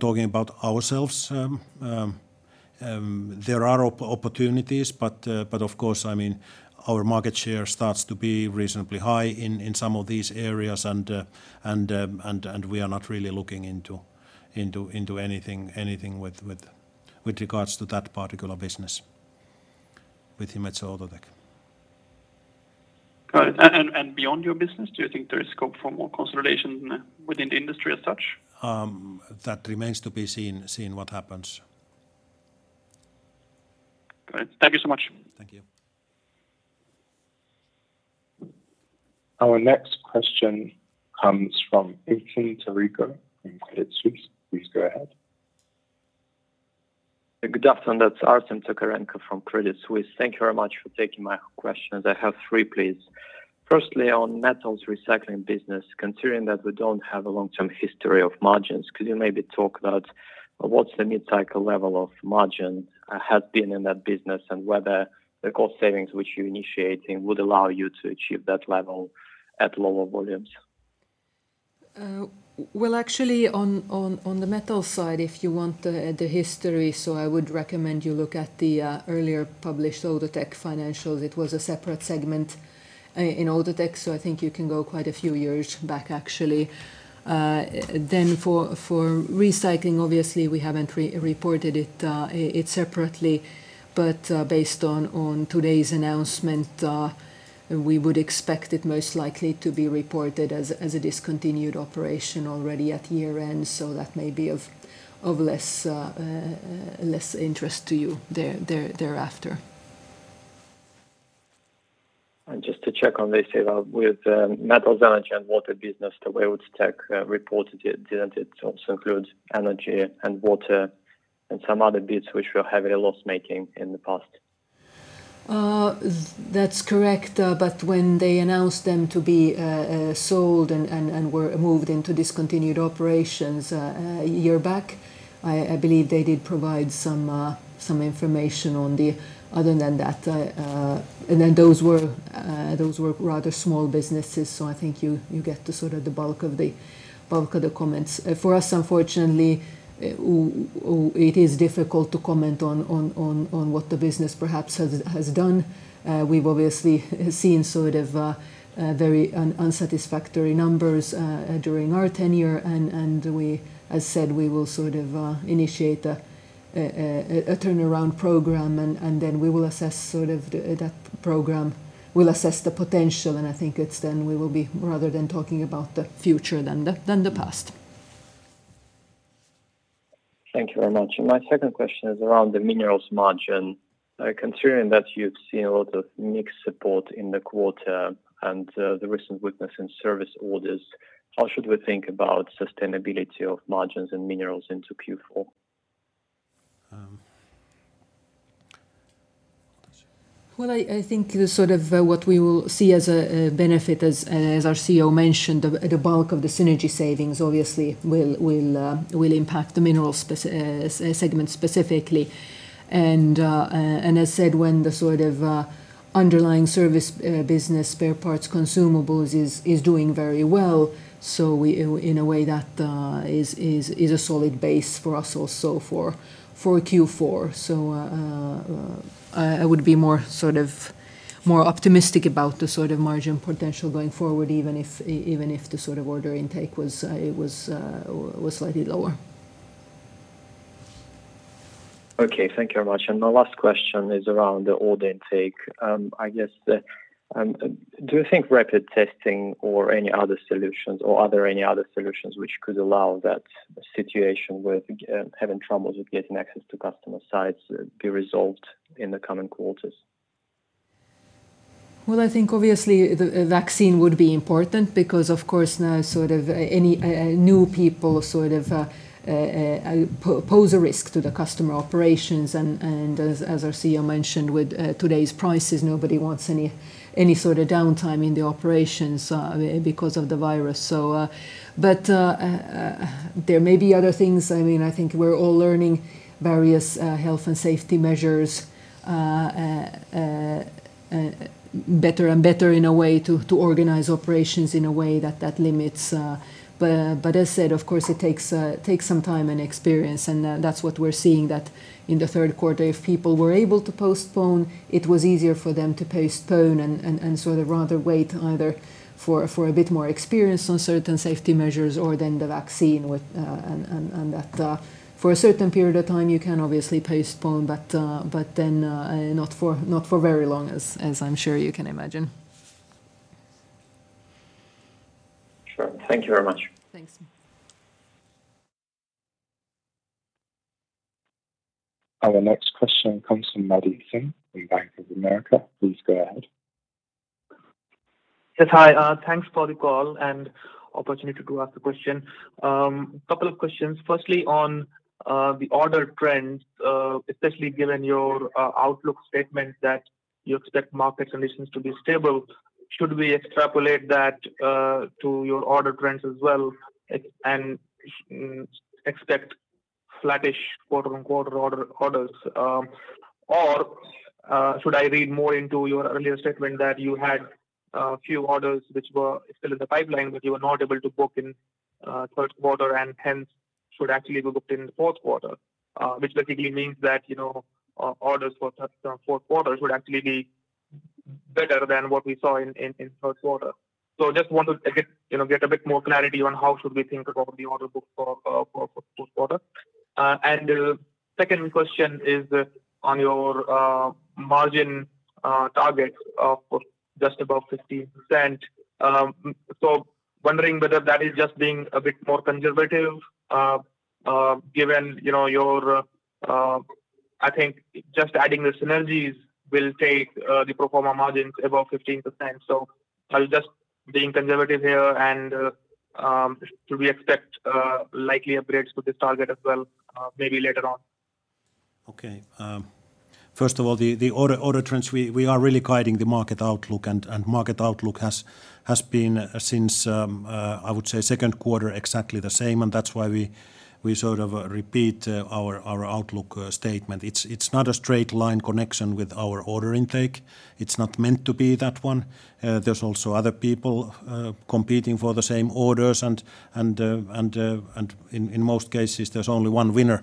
talking about ourselves, there are opportunities, but of course, our market share starts to be reasonably high in some of these areas and we are not really looking into anything with regards to that particular business with Metso Outotec. Got it. Beyond your business, do you think there is scope for more consolidation within the industry as such? That remains to be seen what happens. Great. Thank you so much. Thank you. Our next question comes from Arsen Tarikov from Credit Suisse. Please go ahead. Good afternoon. That's Arsen Tarikov from Credit Suisse. Thank you very much for taking my questions. I have three, please. Firstly, on metals recycling business, considering that we don't have a long-term history of margins, could you maybe talk about what's the mid-cycle level of margin has been in that business and whether the cost savings which you're initiating would allow you to achieve that level at lower volumes? Actually, on the metals side, if you want the history, I would recommend you look at the earlier published Outotec financials. It was a separate segment in Outotec, I think you can go quite a few years back, actually. For recycling, obviously we haven't reported it separately. Based on today's announcement, we would expect it most likely to be reported as a discontinued operation already at year-end, that may be of less interest to you thereafter. Second, they say with metals energy and water business, the way Outotec reported it, didn't it, also includes energy and water and some other bits which were heavily loss-making in the past. That's correct. When they announced them to be sold and were moved into discontinued operations a year back, I believe they did provide some information on the other than that. Those were rather small businesses. I think you get the bulk of the comments. For us, unfortunately, it is difficult to comment on what the business perhaps has done. We've obviously seen very unsatisfactory numbers during our tenure. As said, we will initiate a turnaround program. Then we will assess that program. We'll assess the potential. I think it's then we will be rather than talking about the future than the past. Thank you very much. My second question is around the Minerals margin. Considering that you've seen a lot of mixed support in the quarter and the recent weakness in service orders, how should we think about sustainability of margins and Minerals into Q4? Well, I think what we will see as a benefit, as our CEO mentioned, the bulk of the synergy savings obviously will impact the minerals segment specifically. As said, when the underlying service business spare parts consumables is doing very well, in a way that is a solid base for us also for Q4. I would be more optimistic about the margin potential going forward, even if the order intake was slightly lower. Okay. Thank you very much. My last question is around the order intake. I guess, do you think rapid testing or any other solutions, or are there any other solutions which could allow that situation with having troubles with getting access to customer sites be resolved in the coming quarters? Well, I think obviously the vaccine would be important because, of course now, any new people pose a risk to the customer operations. As our CEO mentioned, with today's prices, nobody wants any sort of downtime in the operations because of the virus. There may be other things. I think we're all learning various health and safety measures better and better in a way to organize operations. As said, of course, it takes some time and experience, and that's what we're seeing, that in the third quarter, if people were able to postpone, it was easier for them to postpone and sort of rather wait either for a bit more experience on certain safety measures or then the vaccine. That for a certain period of time, you can obviously postpone, but then not for very long, as I'm sure you can imagine. Sure. Thank you very much. Thanks. Our next question comes from Madhusudhan from Bank of America. Please go ahead. Yes. Hi. Thanks for the call and opportunity to ask the question. Couple of questions. On the order trends, especially given your outlook statement that you expect market conditions to be stable, should we extrapolate that to your order trends as well and expect flattish quarter-on-quarter orders? Should I read more into your earlier statement that you had a few orders which were still in the pipeline, but you were not able to book in third quarter and hence should actually be booked in the fourth quarter? Which basically means that orders for fourth quarter should actually be better than what we saw in third quarter. Just wanted to get a bit more clarity on how should we think about the order book for fourth quarter. Second question is on your margin target of just above 15%. Wondering whether that is just being a bit more conservative given your I think just adding the synergies will take the pro forma margins above 15%, so are you just being conservative here, and should we expect likely upgrades to this target as well, maybe later on? Okay. First of all, the order trends, we are really guiding the market outlook. Market outlook has been since, I would say second quarter, exactly the same. That's why we repeat our outlook statement. It's not a straight line connection with our order intake. It's not meant to be that one. There's also other people competing for the same orders. In most cases, there's only one winner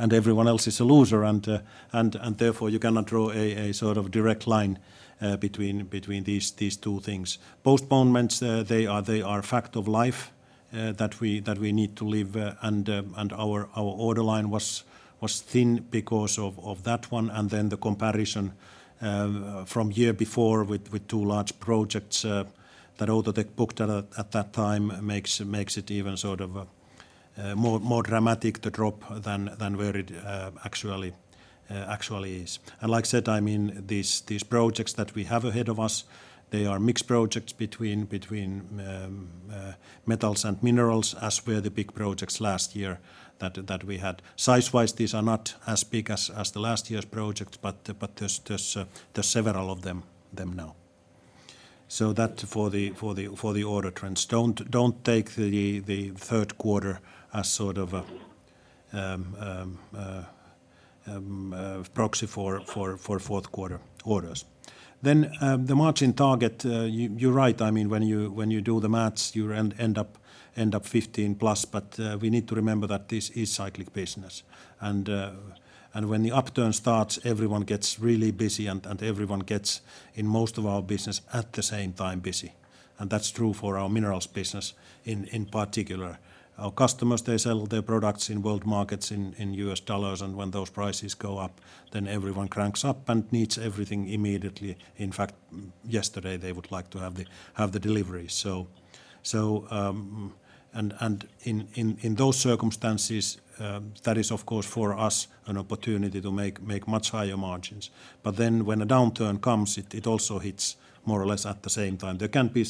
and everyone else is a loser. Therefore, you cannot draw a direct line between these two things. Postponements, they are fact of life that we need to live. Our order line was thin because of that one. The comparison from year before with two large projects that Outotec booked at that time makes it even more dramatic the drop than where it actually is. Like I said, these projects that we have ahead of us, they are mixed projects between metals and minerals, as were the big projects last year that we had. Size-wise, these are not as big as the last year's projects, but there's several of them now. That for the order trends. Don't take the third quarter as a proxy for fourth quarter orders. The margin target, you're right. When you do the math, you end up 15+, but we need to remember that this is cyclical business, and when the upturn starts, everyone gets really busy, and everyone gets, in most of our business, at the same time busy. That's true for our minerals business in particular. Our customers, they sell their products in world markets in US dollars, and when those prices go up, then everyone cranks up and needs everything immediately. In fact, yesterday they would like to have the delivery. In those circumstances, that is, of course, for us, an opportunity to make much higher margins. When a downturn comes, it also hits more or less at the same time. There can be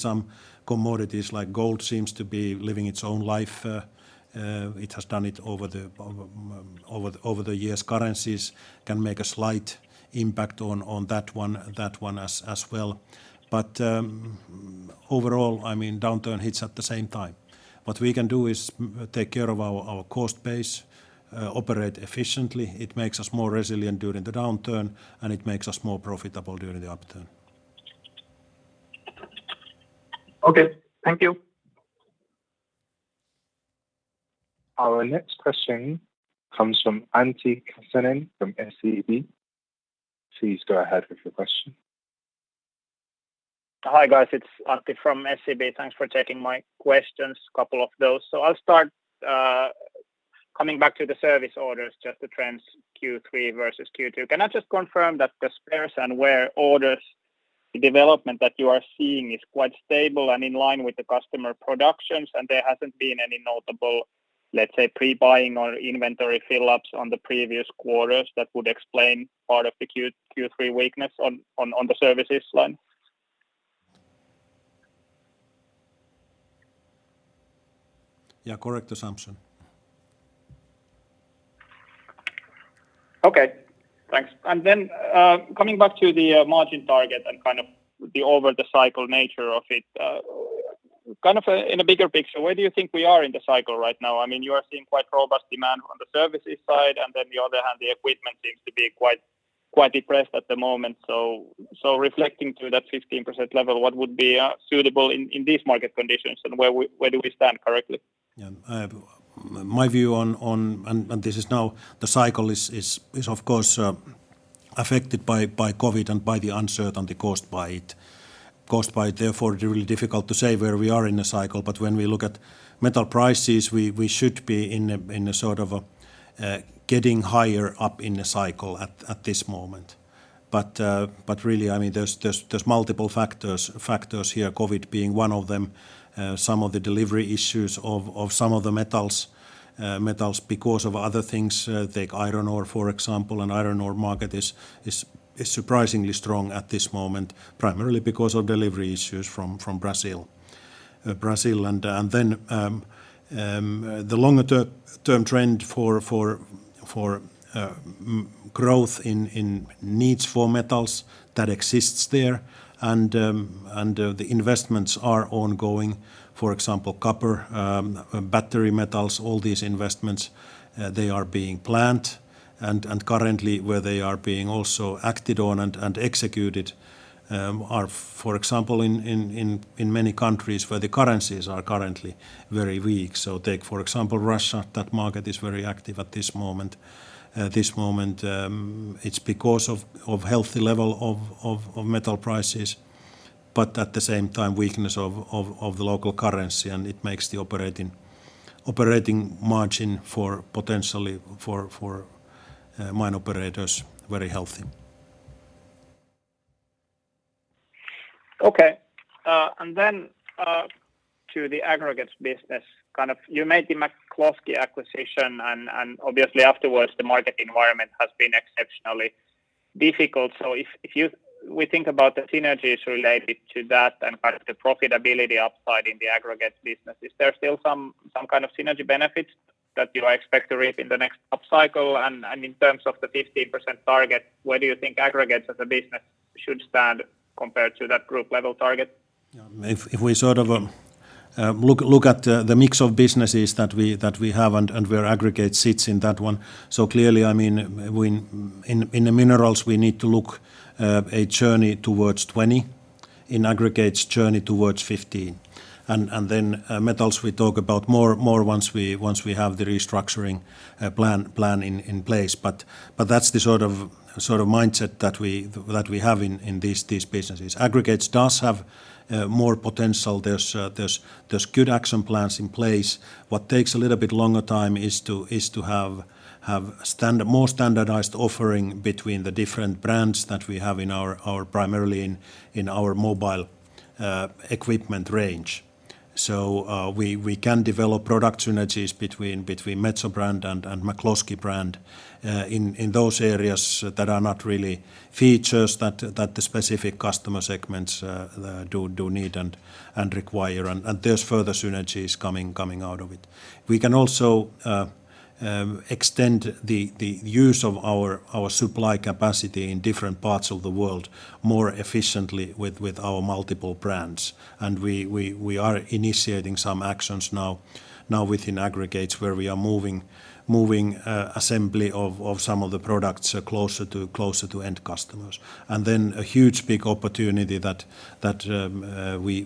some commodities, like gold seems to be living its own life. It has done it over the years. Currencies can make a slight impact on that one as well. Overall, downturn hits at the same time. What we can do is take care of our cost base, operate efficiently. It makes us more resilient during the downturn, and it makes us more profitable during the upturn. Okay. Thank you. Our next question comes from Antti Kansanen from SEB. Please go ahead with your question. Hi, guys. It's Antti from SEB. Thanks for taking my questions, couple of those. I'll start coming back to the service orders, just the trends Q3 versus Q2. Can I just confirm that comparison where orders development that you are seeing is quite stable and in line with the customer productions, and there hasn't been any notable, let's say, pre-buying or inventory fill-ups on the previous quarters that would explain part of the Q3 weakness on the services line? Yeah, correct assumption. Okay, thanks. Coming back to the margin target and kind of the over the cycle nature of it. In a bigger picture, where do you think we are in the cycle right now? You are seeing quite robust demand on the services side, and then on the other hand, the equipment seems to be quite depressed at the moment. Reflecting to that 15% level, what would be suitable in these market conditions, and where do we stand correctly? Yeah. My view on, and this is now the cycle is, of course, affected by COVID and by the uncertainty caused by it. Therefore, really difficult to say where we are in the cycle. When we look at metal prices, we should be getting higher up in the cycle at this moment. Really, there's multiple factors here, COVID being one of them. Some of the delivery issues of some of the metals because of other things. Take iron ore, for example, iron ore market is surprisingly strong at this moment, primarily because of delivery issues from Brazil. The longer term trend for growth in needs for metals that exists there, and the investments are ongoing. For example, copper, battery metals, all these investments, they are being planned, and currently where they are being also acted on and executed are, for example, in many countries where the currencies are currently very weak. Take, for example, Russia. That market is very active at this moment. It is because of healthy level of metal prices, but at the same time, weakness of the local currency, and it makes the operating margin potentially for mine operators very healthy. Okay. To the aggregates business. You made the McCloskey acquisition, and obviously afterwards, the market environment has been exceptionally difficult. If we think about the synergies related to that and kind of the profitability upside in the aggregates business, is there still some kind of synergy benefits that you expect to reap in the next upcycle? In terms of the 15% target, where do you think aggregates as a business should stand compared to that group-level target? If we look at the mix of businesses that we have and where aggregates sits in that one. Clearly, in the minerals, we need to look a journey towards 20%, in aggregates journey towards 15%. Then metals, we talk about more once we have the restructuring plan in place. But that's the sort of mindset that we have in these businesses. Aggregates does have more potential. There's good action plans in place. What takes a little bit longer time is to have more standardized offering between the different brands that we have primarily in our mobile equipment range. We can develop product synergies between Metso brand and McCloskey brand in those areas that are not really features that the specific customer segments do need and require. There's further synergies coming out of it. We can also extend the use of our supply capacity in different parts of the world more efficiently with our multiple brands. We are initiating some actions now within aggregates, where we are moving assembly of some of the products closer to end customers. A huge, big opportunity that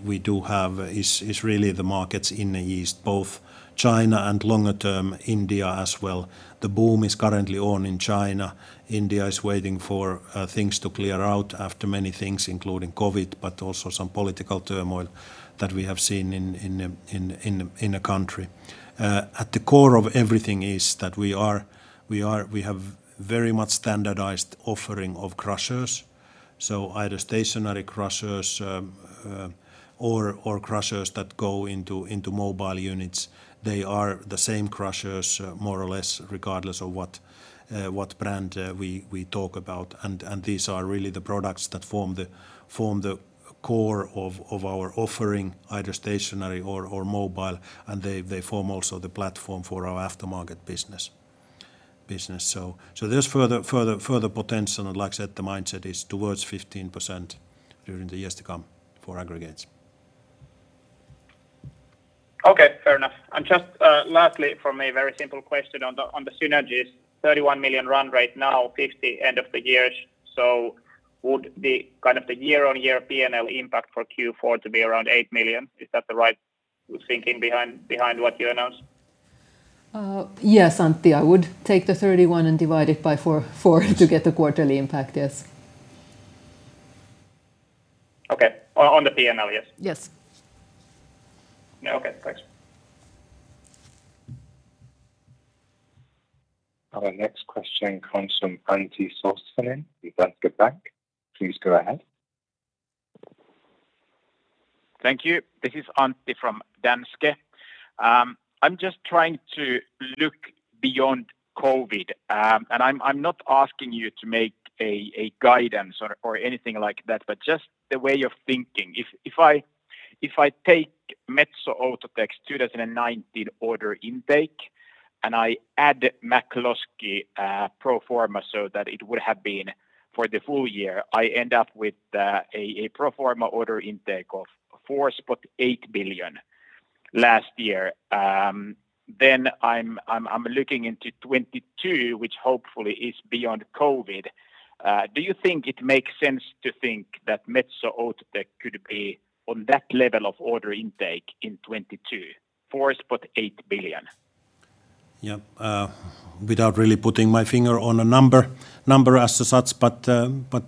we do have is really the markets in the East, both China and longer-term India as well. The boom is currently on in China. India is waiting for things to clear out after many things, including COVID, but also some political turmoil that we have seen in the country. At the core of everything is that we have very much standardized offering of crushers, so either stationary crushers or crushers that go into mobile units. They are the same crushers, more or less, regardless of what brand we talk about, and these are really the products that form the core of our offering, either stationary or mobile, and they form also the platform for our aftermarket business. There's further potential, and like I said, the mindset is towards 15% during the years to come for aggregates. Okay, fair enough. Just lastly, from me, a very simple question on the synergies. 31 million run rate now, 50 million end of the year, so would the year-on-year P&L impact for Q4 to be around 8 million? Is that the right thinking behind what you announced? Yes, Antti. I would take the 31 and divide it by four to get the quarterly impact. Yes. Okay. On the P&L, yes? Yes. Okay, thanks. Our next question comes from Antti Suttelin, Danske Bank. Please go ahead. Thank you. This is Antti from Danske Bank. I'm just trying to look beyond COVID, and I'm not asking you to make a guidance or anything like that, but just the way of thinking. If I take Metso Outotec 2019 order intake, and I add McCloskey pro forma so that it would have been for the full year, I end up with a pro forma order intake of 4.8 billion last year. I'm looking into 2022, which hopefully is beyond COVID. Do you think it makes sense to think that Metso Outotec could be on that level of order intake in 2022, 4.8 billion? Yeah. Without really putting my finger on a number as such, but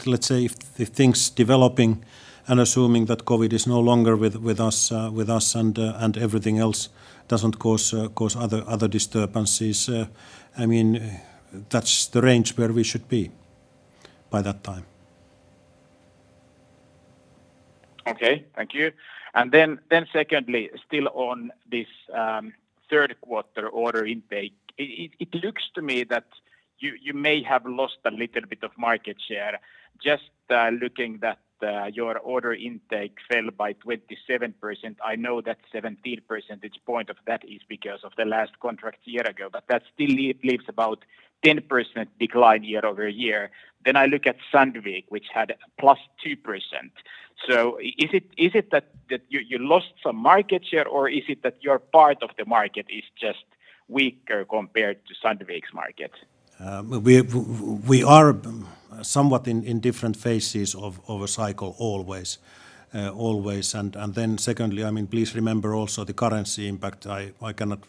let's say if things developing and assuming that COVID is no longer with us, and everything else doesn't cause other disturbances, that's the range where we should be by that time. Okay, thank you. Secondly, still on this third quarter order intake, it looks to me that you may have lost a little bit of market share. Just looking that your order intake fell by 27%, I know that 17 percentage point of that is because of the last contract a year ago, but that still leaves about 10% decline year-over-year. I look at Sandvik, which had +2%. Is it that you lost some market share, or is it that your part of the market is just weaker compared to Sandvik's market? We are somewhat in different phases of a cycle always. Secondly, please remember also the currency impact. I cannot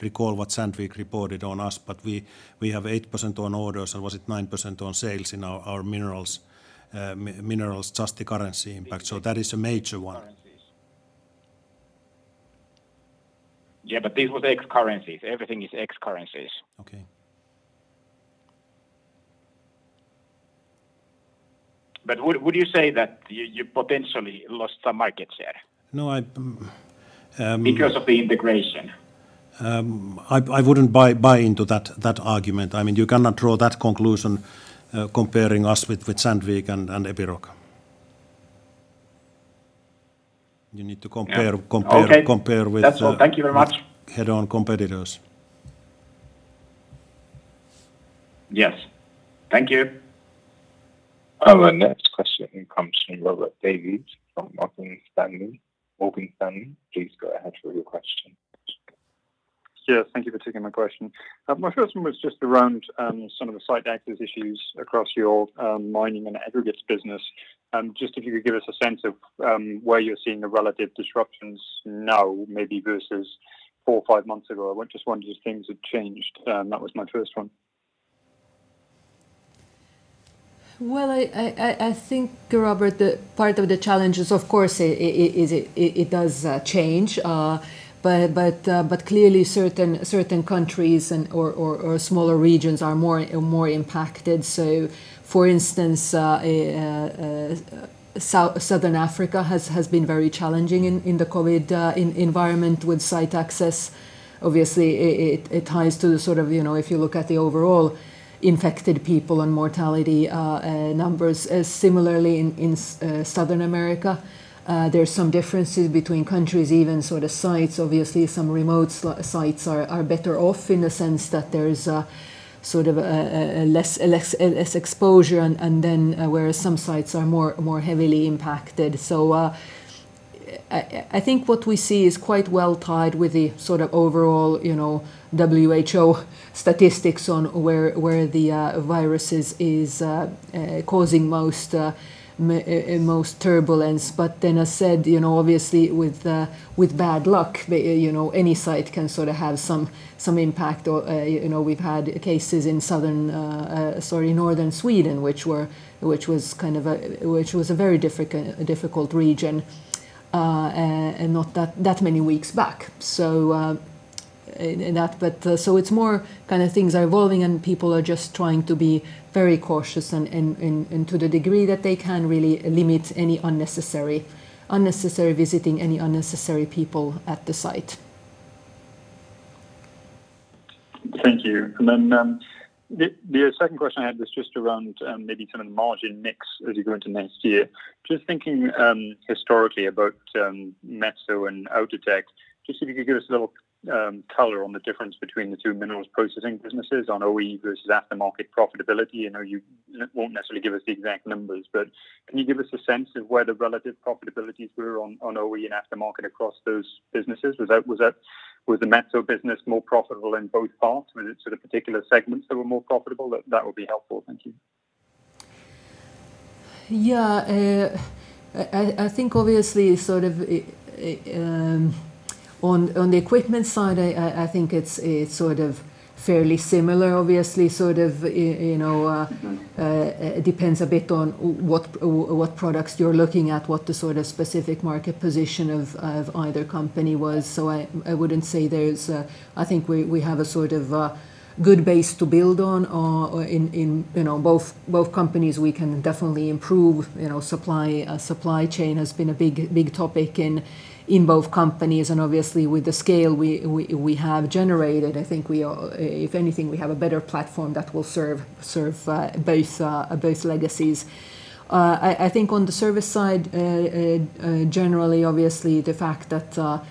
recall what Sandvik reported on us, but we have 8% on orders, or was it 9% on sales in our minerals, just the currency impact, so that is a major one. Yeah, this was ex currencies. Everything is ex currencies. Okay. Would you say that you potentially lost some market share? No. Because of the integration. I wouldn't buy into that argument. You cannot draw that conclusion comparing us with Sandvik and Epiroc. Okay. That's all. Thank you very much with head-on competitors. Yes. Thank you. Our next question comes from Robert Davies from Morgan Stanley. Morgan Stanley, please go ahead with your question. Yes, thank you for taking my question. My first one was just around some of the site access issues across your mining and aggregates business. If you could give us a sense of where you're seeing the relative disruptions now maybe versus four or five months ago. I just wonder if things have changed. That was my first one. I think, Robert, part of the challenge is, of course, it does change, clearly certain countries or smaller regions are more impacted. For instance, Southern Africa has been very challenging in the COVID environment with site access. Obviously, it ties to the, if you look at the overall infected people and mortality numbers, similarly in South America, there's some differences between countries, even sites. Obviously, some remote sites are better off in the sense that there is less exposure, whereas some sites are more heavily impacted. I think what we see is quite well tied with the overall WHO statistics on where the virus is causing most turbulence. As said, obviously with bad luck, any site can have some impact. We've had cases in Northern Sweden, which was a very difficult region, and not that many weeks back. It's more things are evolving, and people are just trying to be very cautious, and to the degree that they can really limit any unnecessary visiting, any unnecessary people at the site. Thank you. The second question I had was just around maybe margin mix as you go into next year. Just thinking historically about Metso and Outotec, just if you could give us a little color on the difference between the two minerals processing businesses on OE versus aftermarket profitability. I know you won't necessarily give us the exact numbers, but can you give us a sense of where the relative profitabilities were on OE and aftermarket across those businesses? Was the Metso business more profitable in both parts? Was it particular segments that were more profitable? That would be helpful. Thank you. Yeah. I think obviously on the equipment side, I think it's fairly similar. Obviously, it depends a bit on what products you're looking at, what the specific market position of either company was. I think we have a good base to build on in both companies. We can definitely improve supply chain has been a big topic in both companies. Obviously with the scale we have generated, I think if anything, we have a better platform that will serve both legacies. I think on the service side, generally, obviously, the fact that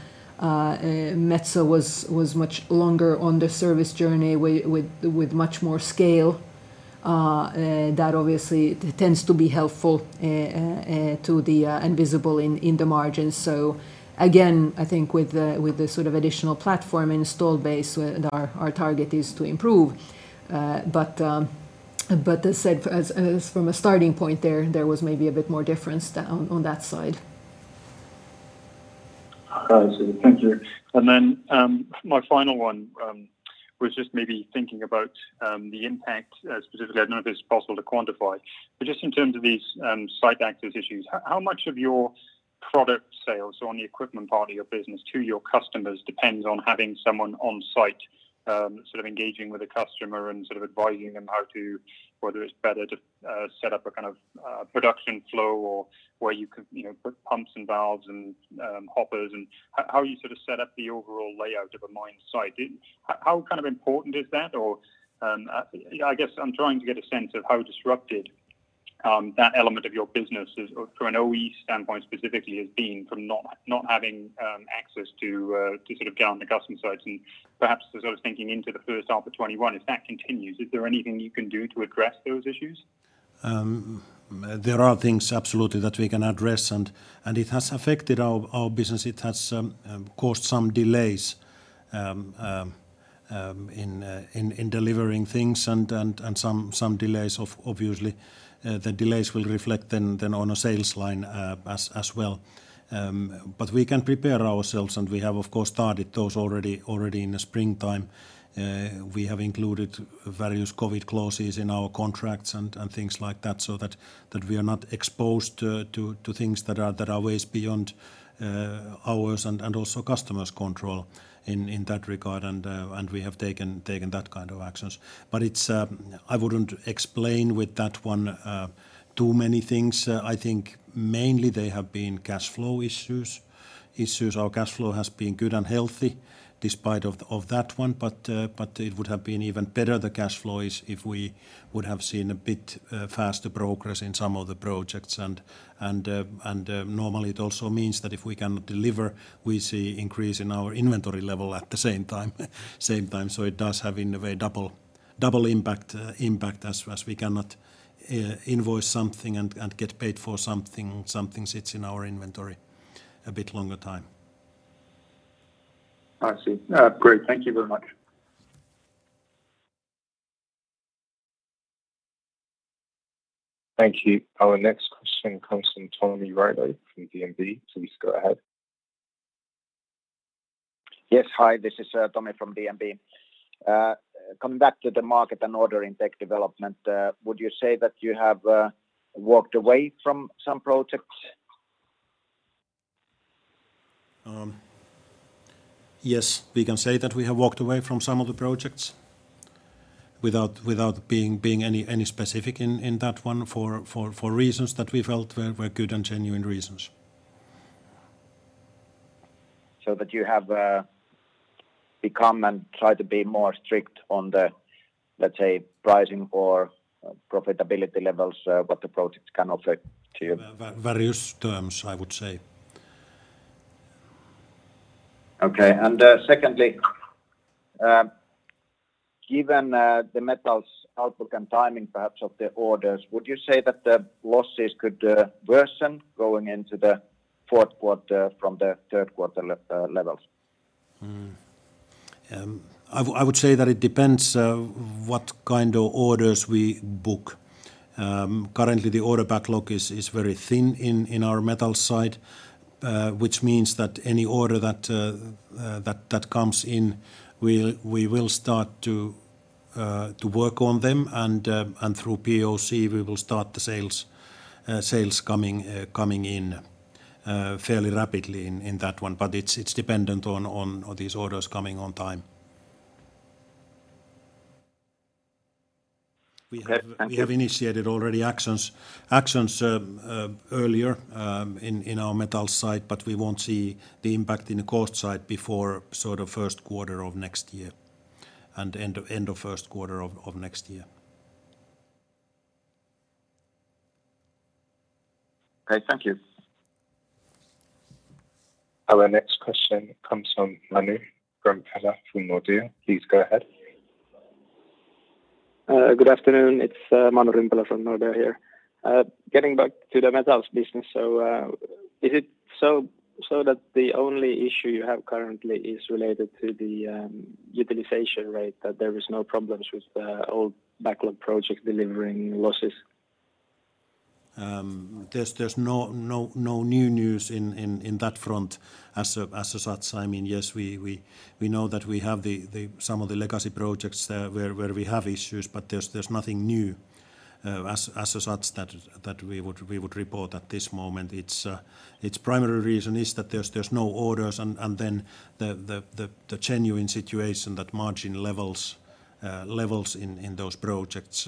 Metso was much longer on the service journey with much more scale, that obviously tends to be helpful to the invisible in the margins. Again, I think with the additional platform installed base, our target is to improve. As said, as from a starting point there was maybe a bit more difference on that side. I see. Thank you. My final one was just maybe thinking about the impact specifically. I don't know if it's possible to quantify, but just in terms of these site access issues, how much of your product sales on the equipment part of your business to your customers depends on having someone on site engaging with a customer and advising them how to, whether it's better to set up a kind of production flow or where you could put pumps and valves and hoppers, and how you set up the overall layout of a mine site. How important is that? I guess I'm trying to get a sense of how disrupted that element of your business is from an OE standpoint specifically, has been from not having access to get on the customer sites and perhaps as I was thinking into the first half of 2021, if that continues, is there anything you can do to address those issues? There are things absolutely that we can address, and it has affected our business. It has caused some delays in delivering things and some delays, obviously, the delays will reflect then on a sales line as well. We can prepare ourselves, and we have, of course, started those already in the springtime. We have included various COVID clauses in our contracts and things like that so that we are not exposed to things that are ways beyond ours and also customers' control in that regard, and we have taken that kind of actions. I wouldn't explain with that one too many things. I think mainly they have been cash flow issues. Our cash flow has been good and healthy despite of that one, but it would have been even better, the cash flows, if we would have seen a bit faster progress in some of the projects. Normally it also means that if we cannot deliver, we see increase in our inventory level at the same time. It does have, in a way, double impact as far as we cannot invoice something and get paid for something sits in our inventory a bit longer time. I see. Great. Thank you very much. Thank you. Our next question comes from Tommy Riley from DNB. Please go ahead. Yes, hi. This is Tommy from DNB. Coming back to the market and order intake development, would you say that you have walked away from some projects? Yes, we can say that we have walked away from some of the projects without being any specific in that one for reasons that we felt were good and genuine reasons. That you have become and try to be more strict on the, let's say, pricing or profitability levels what the projects can offer to you. Various terms, I would say. Okay. Secondly given the metals outlook and timing perhaps of the orders, would you say that the losses could worsen going into the fourth quarter from the third quarter levels? I would say that it depends what kind of orders we book. Currently, the order backlog is very thin in our metals side, which means that any order that comes in, we will start to work on them and through POC, we will start the sales coming in fairly rapidly in that one. It's dependent on these orders coming on time. Okay. Thank you. We have initiated already actions earlier in our metals side, but we won't see the impact in the cost side before first quarter of next year and end of first quarter of next year. Okay, thank you. Our next question comes from Manu Rimpelä from Nordea. Please go ahead. Good afternoon. It's Manu Rimpela from Nordea here. Getting back to the metals business. Is it so that the only issue you have currently is related to the utilization rate, that there is no problems with the old backlog project delivering losses? There's no new news in that front as such. Yes, we know that we have some of the legacy projects where we have issues. There's nothing new as such that we would report at this moment. Its primary reason is that there's no orders. The genuine situation that margin levels in those projects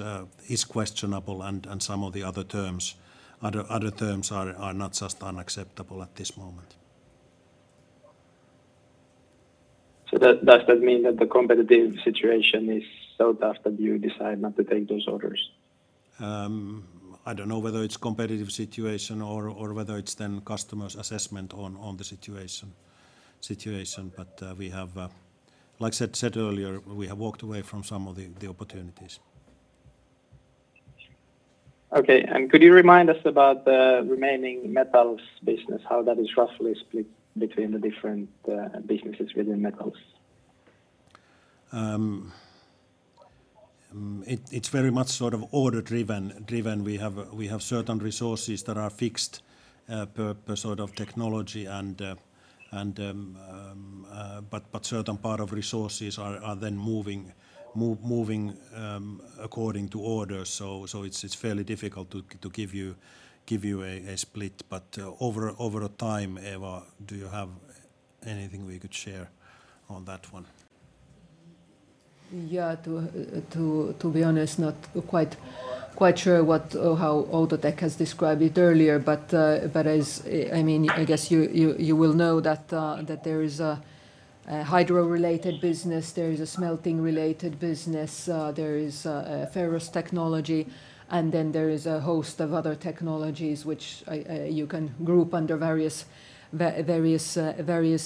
is questionable and some of the other terms are not just unacceptable at this moment. Does that mean that the competitive situation is so tough that you decide not to take those orders? I don't know whether it's competitive situation or whether it's then customer's assessment on the situation. Like I said earlier, we have walked away from some of the opportunities. Okay, could you remind us about the remaining metals business, how that is roughly split between the different businesses within metals? It's very much order-driven. We have certain resources that are fixed per technology but certain part of resources are then moving according to orders. It's fairly difficult to give you a split, but over time, Eeva, do you have anything we could share on that one? Yeah, to be honest, not quite sure how Outotec has described it earlier, but I guess you will know that there is a hydro-related business, there is a smelting-related business, there is ferrous technology, and then there is a host of other technologies which you can group under various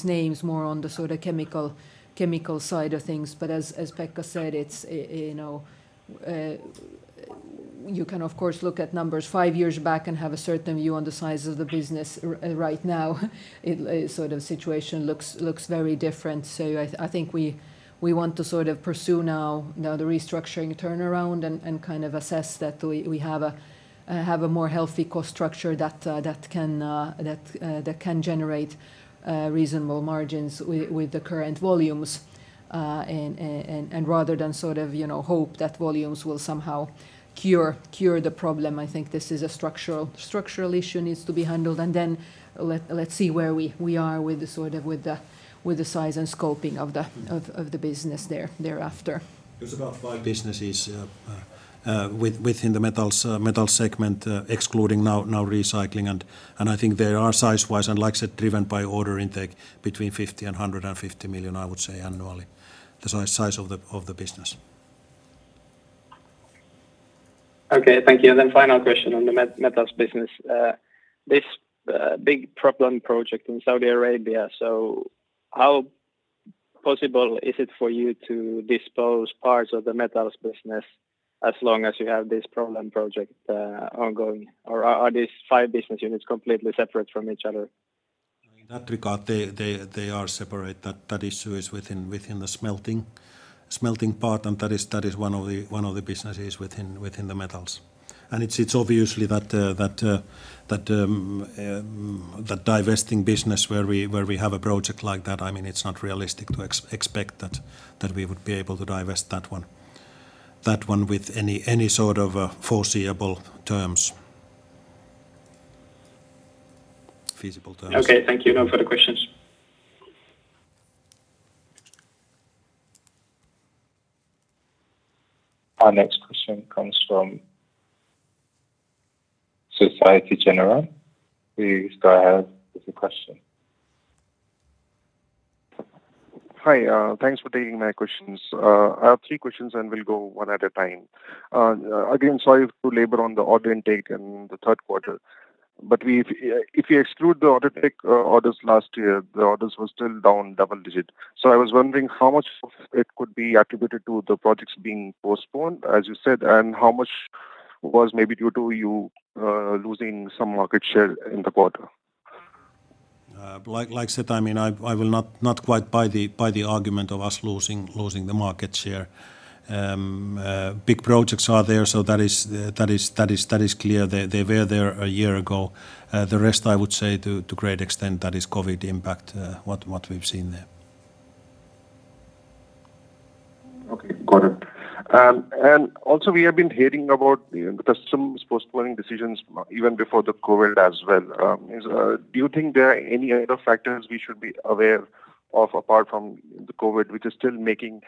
names more on the chemical side of things. As Pekka said, you can of course look at numbers five years back and have a certain view on the size of the business right now. Situation looks very different. I think we want to pursue now the restructuring turnaround and assess that we have a more healthy cost structure that can generate reasonable margins with the current volumes rather than hope that volumes will somehow cure the problem. I think this is a structural issue needs to be handled, and then let's see where we are with the size and scoping of the business thereafter. There's about five businesses within the metals segment excluding now recycling. I think they are size-wise and like said, driven by order intake between 50 million-150 million, I would say annually, the size of the business. Okay, thank you. Then final question on the Metals business. This big problem project in Saudi Arabia, how possible is it for you to dispose parts of the Metals business as long as you have this problem project ongoing? Are these five business units completely separate from each other? In that regard, they are separate. That issue is within the smelting part, and that is one of the businesses within the metals. It's obviously that divesting business where we have a project like that, it's not realistic to expect that we would be able to divest that one with any sort of foreseeable terms. Feasible terms. Okay, thank you. No further questions. Our next question comes from Societe Generale. Please go ahead with your question. Hi, thanks for taking my questions. I have three questions, and we'll go one at a time. Again, sorry to labor on the order intake in the third quarter. If you exclude the order take last year, the orders were still down double-digit. I was wondering how much of it could be attributed to the projects being postponed, as you said, and how much was maybe due to you losing some market share in the quarter? Like I said, I will not quite buy the argument of us losing the market share. Big projects are there, so that is clear. They were there a year ago. The rest, I would say, to a great extent, that is COVID impact, what we've seen there. Okay, got it. Also we have been hearing about customers postponing decisions even before the COVID as well. Do you think there are any other factors we should be aware of apart from the COVID, which is still making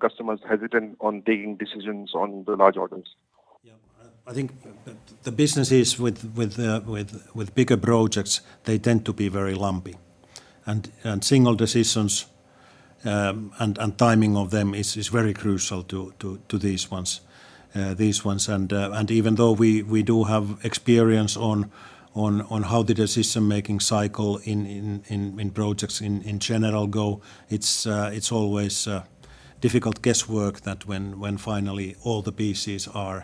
customers hesitant on taking decisions on the large orders? Yeah, I think the businesses with bigger projects, they tend to be very lumpy. Single decisions and timing of them is very crucial to these ones. Even though we do have experience on how the decision-making cycle in projects in general go, it's always difficult guesswork that when finally all the pieces are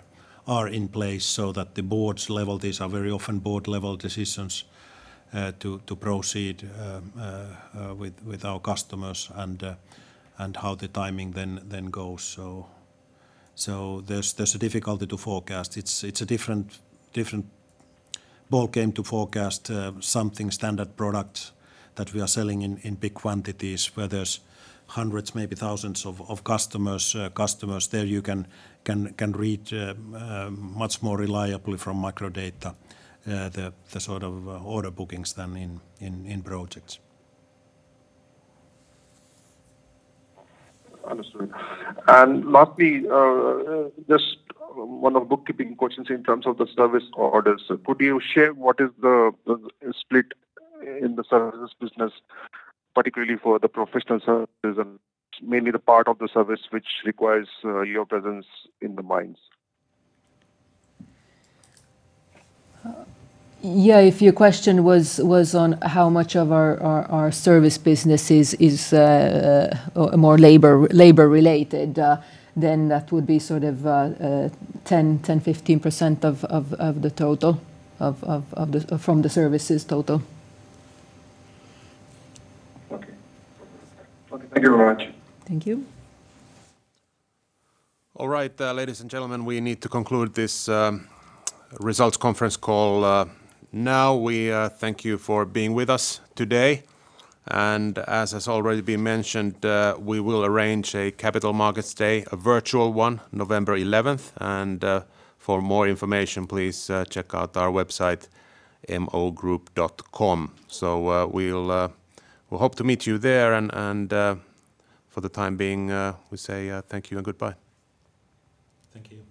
in place so that the board level, these are very often board-level decisions to proceed with our customers and how the timing then goes. There's a difficulty to forecast. It's a different ballgame to forecast something standard product that we are selling in big quantities where there's hundreds, maybe thousands of customers. There you can read much more reliably from microdata the sort of order bookings than in projects. Understood. Lastly, just one of the bookkeeping questions in terms of the service orders. Could you share what is the split in the services business, particularly for the professional services, mainly the part of the service which requires your presence in the mines? Yeah, if your question was on how much of our service business is more labor-related, then that would be sort of 10%-15% from the services total. Okay. Thank you very much. Thank you. All right, ladies and gentlemen, we need to conclude this results conference call now. We thank you for being with us today. As has already been mentioned, we will arrange a Capital Markets Roadshow, a virtual one, November 11th. For more information, please check out our website, mogroup.com. We'll hope to meet you there, and for the time being, we say thank you and goodbye. Thank you. Thank you.